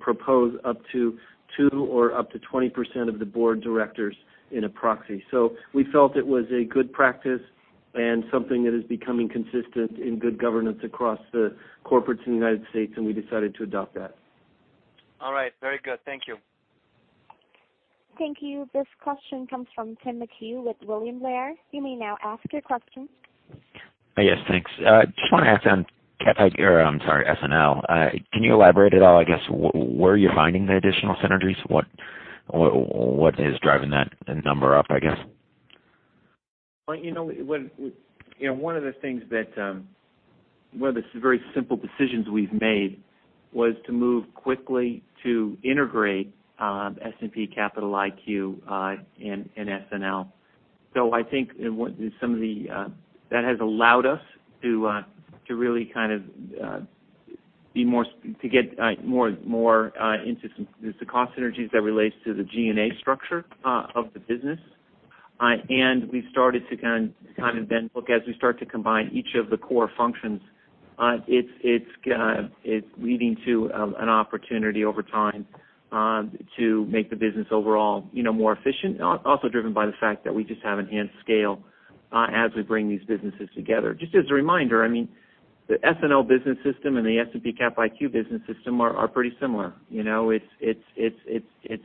propose up to 2 or up to 20% of the board of directors in a proxy. We felt it was a good practice and something that is becoming consistent in good governance across the corporates in the U.S., and we decided to adopt that. All right. Very good. Thank you. Thank you. This question comes from Timothy McHugh with William Blair. You may now ask your question. Yes, thanks. Just want to ask on SNL, can you elaborate at all, I guess, where you're finding the additional synergies? What is driving that number up, I guess? One of the very simple decisions we've made was to move quickly to integrate S&P Capital IQ and SNL. I think that has allowed us to get more into the cost synergies that relates to the G&A structure of the business. We've started to then look as we start to combine each of the core functions. It's leading to an opportunity over time to make the business overall more efficient. Also driven by the fact that we just have enhanced scale as we bring these businesses together. Just as a reminder, the SNL business system and the S&P Capital IQ business system are pretty similar. It's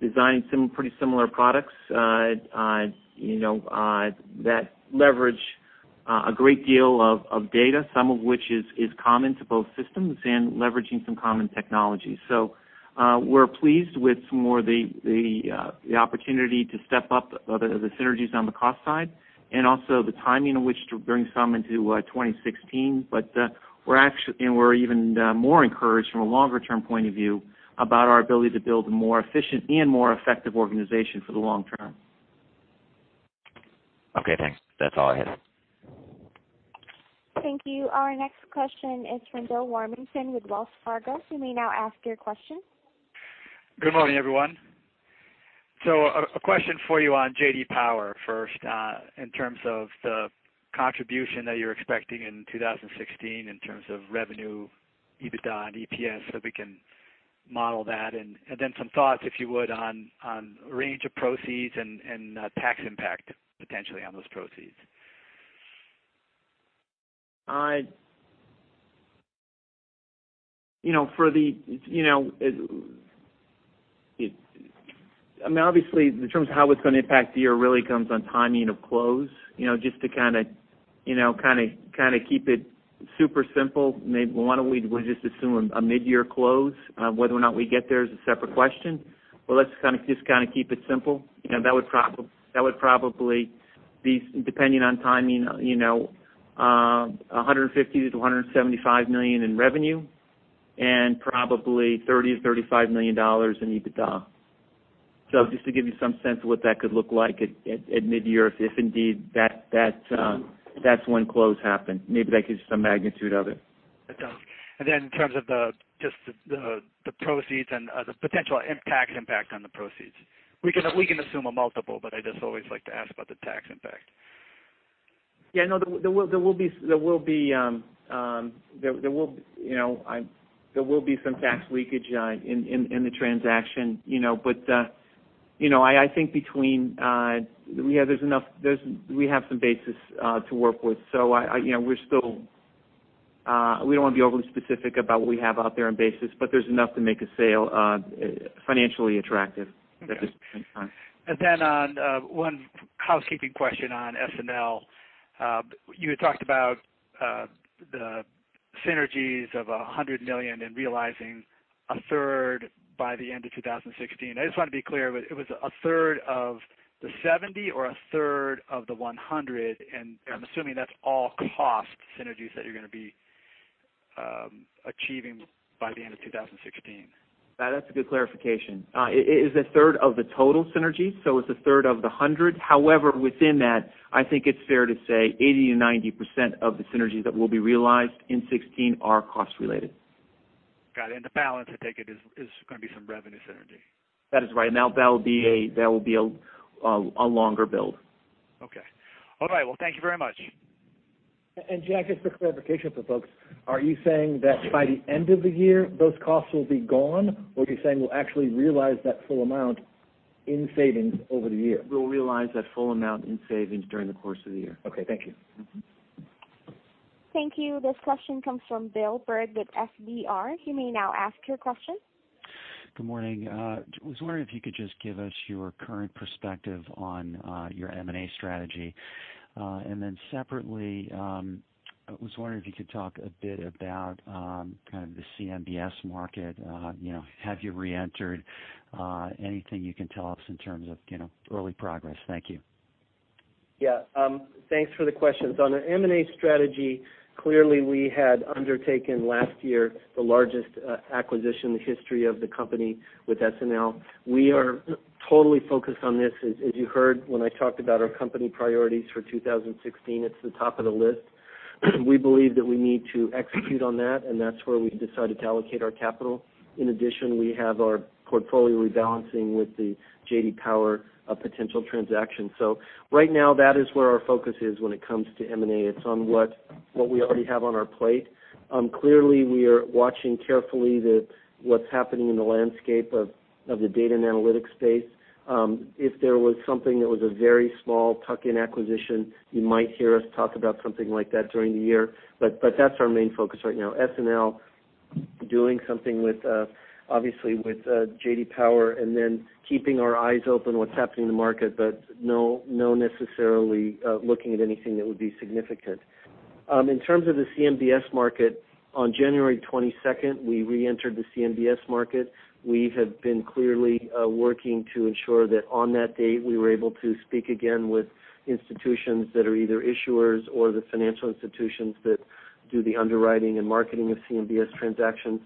designed some pretty similar products that leverage a great deal of data, some of which is common to both systems and leveraging some common technology. We're pleased with some more of the opportunity to step up the synergies on the cost side and also the timing in which to bring some into 2016. We're even more encouraged from a longer-term point of view about our ability to build a more efficient and more effective organization for the long term. Okay, thanks. That's all I had. Thank you. Our next question is from Bill Warmington with Wells Fargo. You may now ask your question. Good morning, everyone. A question for you on J.D. Power first, in terms of the contribution that you're expecting in 2016, in terms of revenue, EBITDA, and EPS, so we can model that. Some thoughts, if you would, on range of proceeds and tax impact potentially on those proceeds. Obviously, in terms of how it's going to impact the year really comes on timing of close. Just to kind of keep it super simple, maybe why don't we just assume a mid-year close. Whether or not we get there is a separate question. Let's just kind of keep it simple. That would probably be, depending on timing, $150 million-$175 million in revenue and probably $30 million-$35 million in EBITDA. Just to give you some sense of what that could look like at mid-year, if indeed that's when close happened. Maybe that gives you some magnitude of it. In terms of just the proceeds and the potential tax impact on the proceeds. We can assume a multiple, but I just always like to ask about the tax impact. No, there will be some tax leakage in the transaction. I think we have some basis to work with. We don't want to be overly specific about what we have out there on basis, but there's enough to make a sale financially attractive at this point in time. On one housekeeping question on SNL. You had talked about the synergies of $100 million in realizing a third by the end of 2016. I just want to be clear, it was a third of the $70 or a third of the $100? I'm assuming that's all cost synergies that you're going to be achieving by the end of 2016. That's a good clarification. It is a third of the total synergy, so it's a third of the $100. Within that, I think it's fair to say 80%-90% of the synergies that will be realized in 2016 are cost related. Got it. The balance, I take it, is going to be some revenue synergy. That is right. That'll be a longer build. Okay. All right. Well, thank you very much. Jack, just for clarification for folks, are you saying that by the end of the year, those costs will be gone? Or are you saying we'll actually realize that full amount in savings over the year? We'll realize that full amount in savings during the course of the year. Okay. Thank you. Thank you. This question comes from Bill Bird with FBR. You may now ask your question. Good morning. I was wondering if you could just give us your current perspective on your M&A strategy. Separately, I was wondering if you could talk a bit about kind of the CMBS market. Have you reentered? Anything you can tell us in terms of early progress? Thank you. Thanks for the questions. On the M&A strategy, clearly we had undertaken last year the largest acquisition in the history of the company with SNL. We are totally focused on this. As you heard when I talked about our company priorities for 2016, it's the top of the list. We believe that we need to execute on that's where we've decided to allocate our capital. In addition, we have our portfolio rebalancing with the J.D. Power potential transaction. Right now, that is where our focus is when it comes to M&A. It's on what we already have on our plate. Clearly, we are watching carefully what's happening in the landscape of the data and analytics space. If there was something that was a very small tuck-in acquisition, you might hear us talk about something like that during the year. That's our main focus right now, SNL, doing something, obviously, with J.D. Power, and then keeping our eyes open to what's happening in the market, but not necessarily looking at anything that would be significant. In terms of the CMBS market, on January 22nd, we re-entered the CMBS market. We have been clearly working to ensure that on that date, we were able to speak again with institutions that are either issuers or the financial institutions that do the underwriting and marketing of CMBS transactions.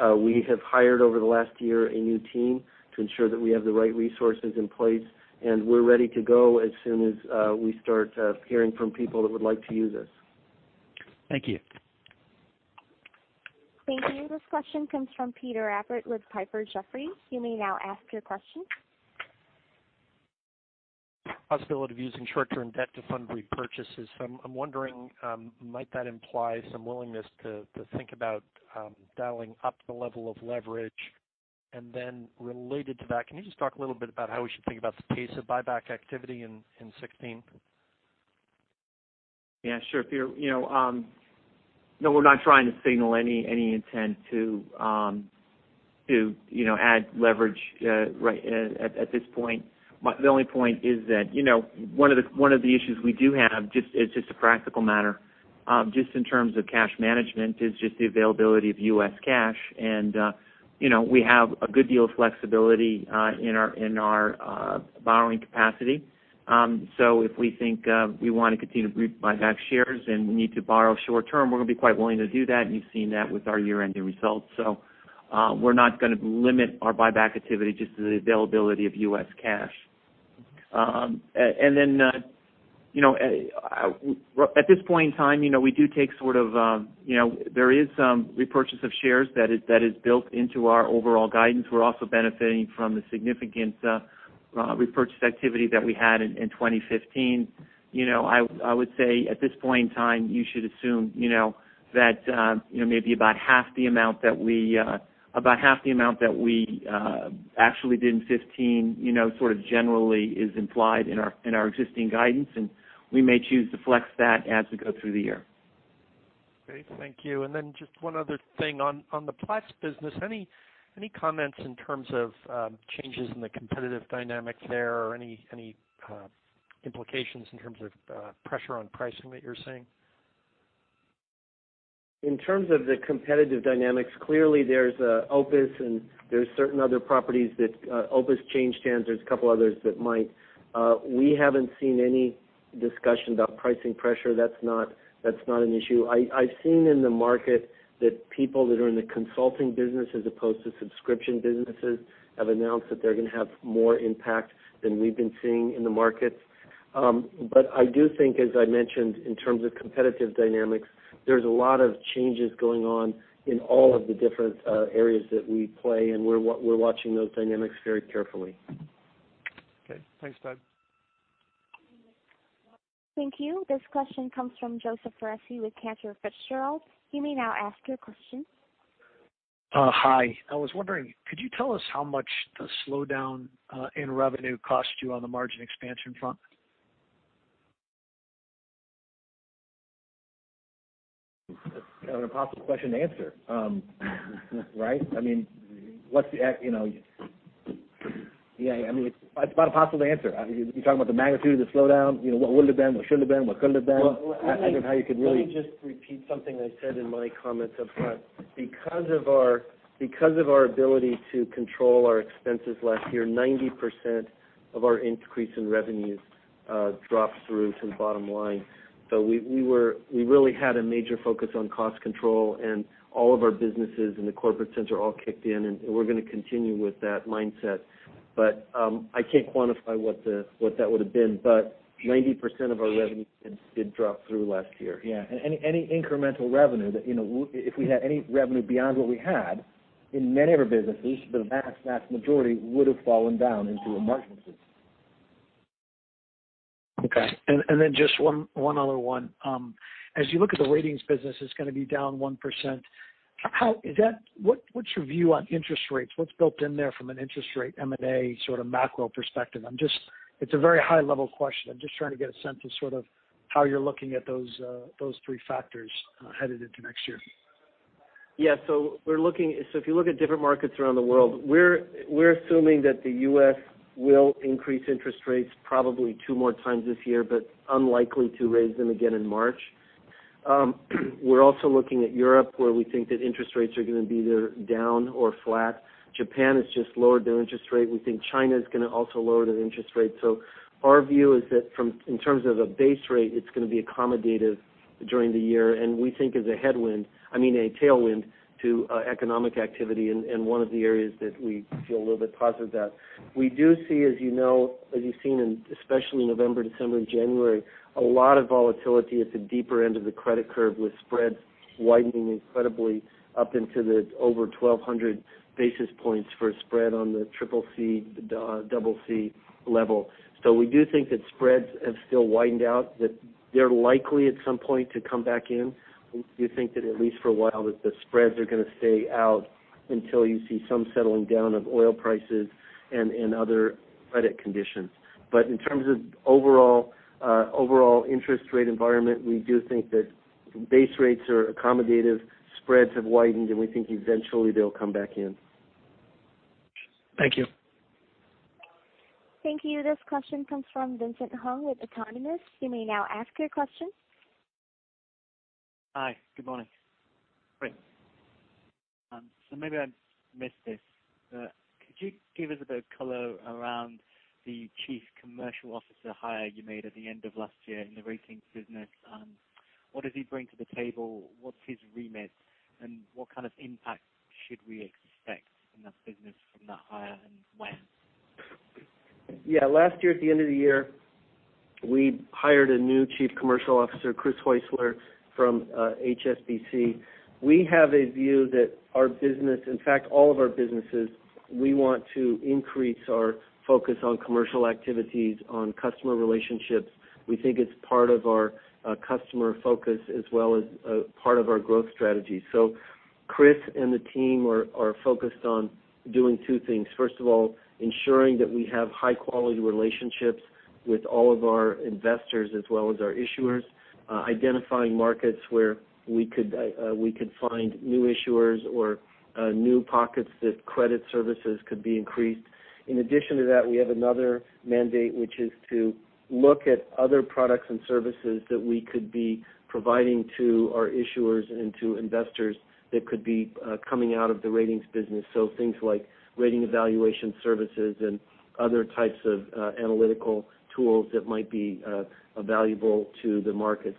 We have hired, over the last year, a new team to ensure that we have the right resources in place, and we're ready to go as soon as we start hearing from people that would like to use us. Thank you. Thank you. This question comes from Peter Appert with Piper Jaffray. You may now ask your question. Possibility of using short-term debt to fund repurchases. I'm wondering, might that imply some willingness to think about dialing up the level of leverage? Related to that, can you just talk a little bit about how we should think about the pace of buyback activity in 2016? Sure, Peter. We're not trying to signal any intent to add leverage at this point. The only point is that one of the issues we do have, it's just a practical matter, just in terms of cash management, is just the availability of U.S. cash. We have a good deal of flexibility in our borrowing capacity. If we think we want to continue to buy back shares and we need to borrow short-term, we're going to be quite willing to do that, and you've seen that with our year-ending results. We're not going to limit our buyback activity just to the availability of U.S. cash. At this point in time, there is some repurchase of shares that is built into our overall guidance. We're also benefiting from the significant repurchase activity that we had in 2015. I would say at this point in time, you should assume that maybe about half the amount that we actually did in 2015 generally is implied in our existing guidance, and we may choose to flex that as we go through the year. Great. Thank you. Just one other thing. On the Platts business, any comments in terms of changes in the competitive dynamics there or any implications in terms of pressure on pricing that you're seeing? In terms of the competitive dynamics, clearly there's OPIS and there's certain other properties that OPIS changed hands. There's a couple others that might. We haven't seen any discussion about pricing pressure. That's not an issue. I've seen in the market that people that are in the consulting business as opposed to subscription businesses have announced that they're going to have more impact than we've been seeing in the market. I do think, as I mentioned, in terms of competitive dynamics, there's a lot of changes going on in all of the different areas that we play, and we're watching those dynamics very carefully. Okay. Thanks, Doug. Thank you. This question comes from Joseph Foresi with Cantor Fitzgerald. You may now ask your question. Hi. I was wondering, could you tell us how much the slowdown in revenue cost you on the margin expansion front? That's an impossible question to answer, right? It's about impossible to answer. You're talking about the magnitude of the slowdown? What would have been, what should have been, what could have been? I don't know how you could. Let me just repeat something I said in my comments up front. Because of our ability to control our expenses last year, 90% of our increase in revenue dropped through to the bottom line. We really had a major focus on cost control, and all of our businesses in the corporate center all kicked in, and we're going to continue with that mindset. I can't quantify what that would have been. 90% of our revenue did drop through last year. Yeah. Any incremental revenue if we had any revenue beyond what we had, in many of our businesses, the vast majority would have fallen down into our margin pools. Okay. Just one other one. As you look at the ratings business, it's going to be down 1%. What's your view on interest rates? What's built in there from an interest rate M&A sort of macro perspective? It's a very high-level question. I'm just trying to get a sense of sort of how you're looking at those three factors headed into next year. If you look at different markets around the world, we are assuming that the U.S. will increase interest rates probably two more times this year, but unlikely to raise them again in March. We are also looking at Europe, where we think that interest rates are going to be either down or flat. Japan has just lowered their interest rate. We think China is going to also lower their interest rate. Our view is that in terms of a base rate, it is going to be accommodative during the year, and we think as a headwind, I mean a tailwind to economic activity in one of the areas that we feel a little bit positive about. We do see, as you know, as you have seen in especially November, December, and January, a lot of volatility at the deeper end of the credit curve with spreads widening incredibly up into the over 1,200 basis points for a spread on the triple C, double C level. We do think that spreads have still widened out, that they are likely at some point to come back in. We do think that at least for a while, that the spreads are going to stay out until you see some settling down of oil prices and other credit conditions. In terms of overall interest rate environment, we do think that base rates are accommodative. Spreads have widened, and we think eventually they will come back in. Thank you. Thank you. This question comes from Vincent Hung with Autonomous. You may now ask your question. Hi. Good morning. Great. Maybe I missed this, but could you give us a bit of color around the chief commercial officer hire you made at the end of last year in the ratings business? What does he bring to the table? What's his remit, and what kind of impact should we expect in that business from that hire and when? Last year, at the end of the year, we hired a new Chief Commercial Officer, Chris Heusler from HSBC. We have a view that our business, in fact, all of our businesses, we want to increase our focus on commercial activities, on customer relationships. We think it's part of our customer focus as well as part of our growth strategy. Chris and the team are focused on doing two things. First of all, ensuring that we have high-quality relationships with all of our investors as well as our issuers. Identifying markets where we could find new issuers or new pockets that credit services could be increased. In addition to that, we have another mandate, which is to look at other products and services that we could be providing to our issuers and to investors that could be coming out of the ratings business. Things like rating evaluation services and other types of analytical tools that might be valuable to the market.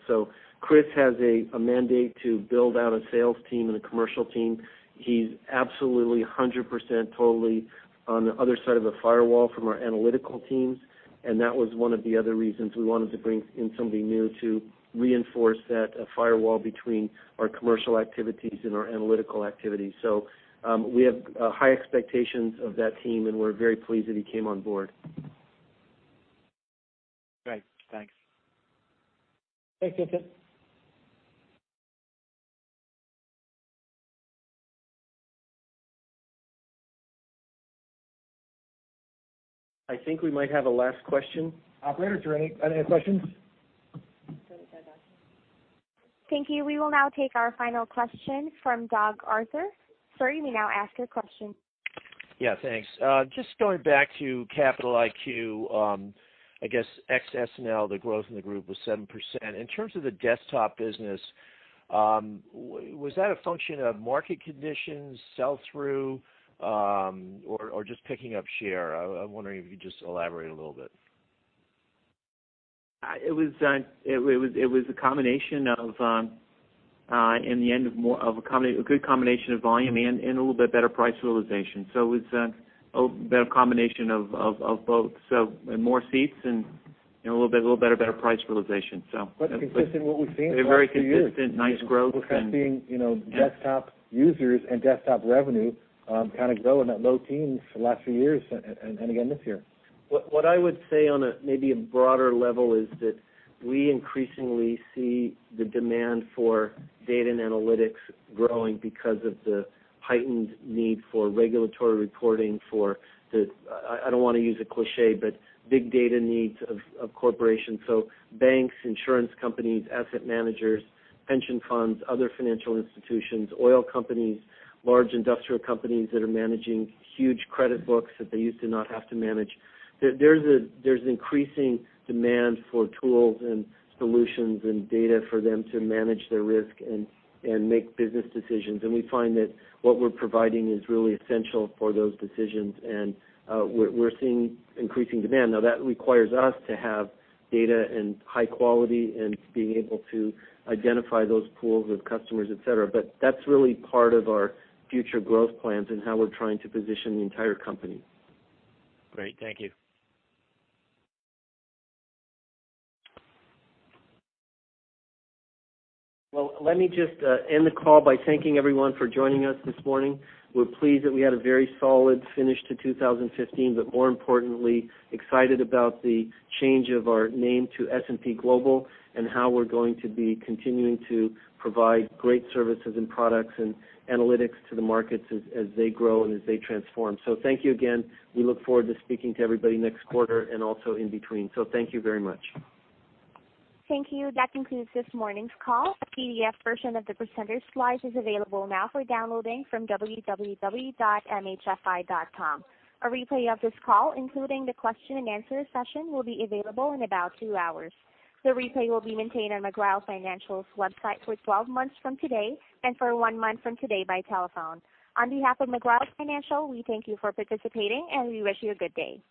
Chris has a mandate to build out a sales team and a commercial team. He's absolutely 100% totally on the other side of the firewall from our analytical teams, and that was one of the other reasons we wanted to bring in somebody new to reinforce that firewall between our commercial activities and our analytical activities. We have high expectations of that team, and we're very pleased that he came on board. Great. Thanks. Thanks, Vincent. I think we might have a last question. Operator, are there any other questions? Thank you. We will now take our final question from Douglas Arthur. Sir, you may now ask your question. Yeah. Thanks. Just going back to Capital IQ, I guess ex SNL, the growth in the group was 7%. In terms of the desktop business, was that a function of market conditions, sell-through, or just picking up share? I'm wondering if you could just elaborate a little bit. It was a good combination of volume and a little bit better price realization. It was a better combination of both. More seats and a little bit better price realization. Consistent with what we've seen the last few years. Very consistent. We're kind of seeing desktop users and desktop revenue kind of grow in that low teens for the last few years, again this year. What I would say on maybe a broader level is that we increasingly see the demand for data and analytics growing because of the heightened need for regulatory reporting for the, I don't want to use a cliché, big data needs of corporations. Banks, insurance companies, asset managers, pension funds, other financial institutions, oil companies, large industrial companies that are managing huge credit books that they used to not have to manage. There's increasing demand for tools and solutions and data for them to manage their risk and make business decisions, we find that what we're providing is really essential for those decisions, we're seeing increasing demand. That requires us to have data and high quality and being able to identify those pools of customers, et cetera. That's really part of our future growth plans and how we're trying to position the entire company. Great. Thank you. Let me just end the call by thanking everyone for joining us this morning. We're pleased that we had a very solid finish to 2015, more importantly, excited about the change of our name to S&P Global and how we're going to be continuing to provide great services and products and analytics to the markets as they grow and as they transform. Thank you again. We look forward to speaking to everybody next quarter and also in between. Thank you very much. Thank you. That concludes this morning's call. A PDF version of the presenter's slides is available now for downloading from www.mhfi.com. A replay of this call, including the question and answer session, will be available in about two hours. The replay will be maintained on McGraw Financial's website for 12 months from today and for one month from today by telephone. On behalf of McGraw Financial, we thank you for participating, and we wish you a good day.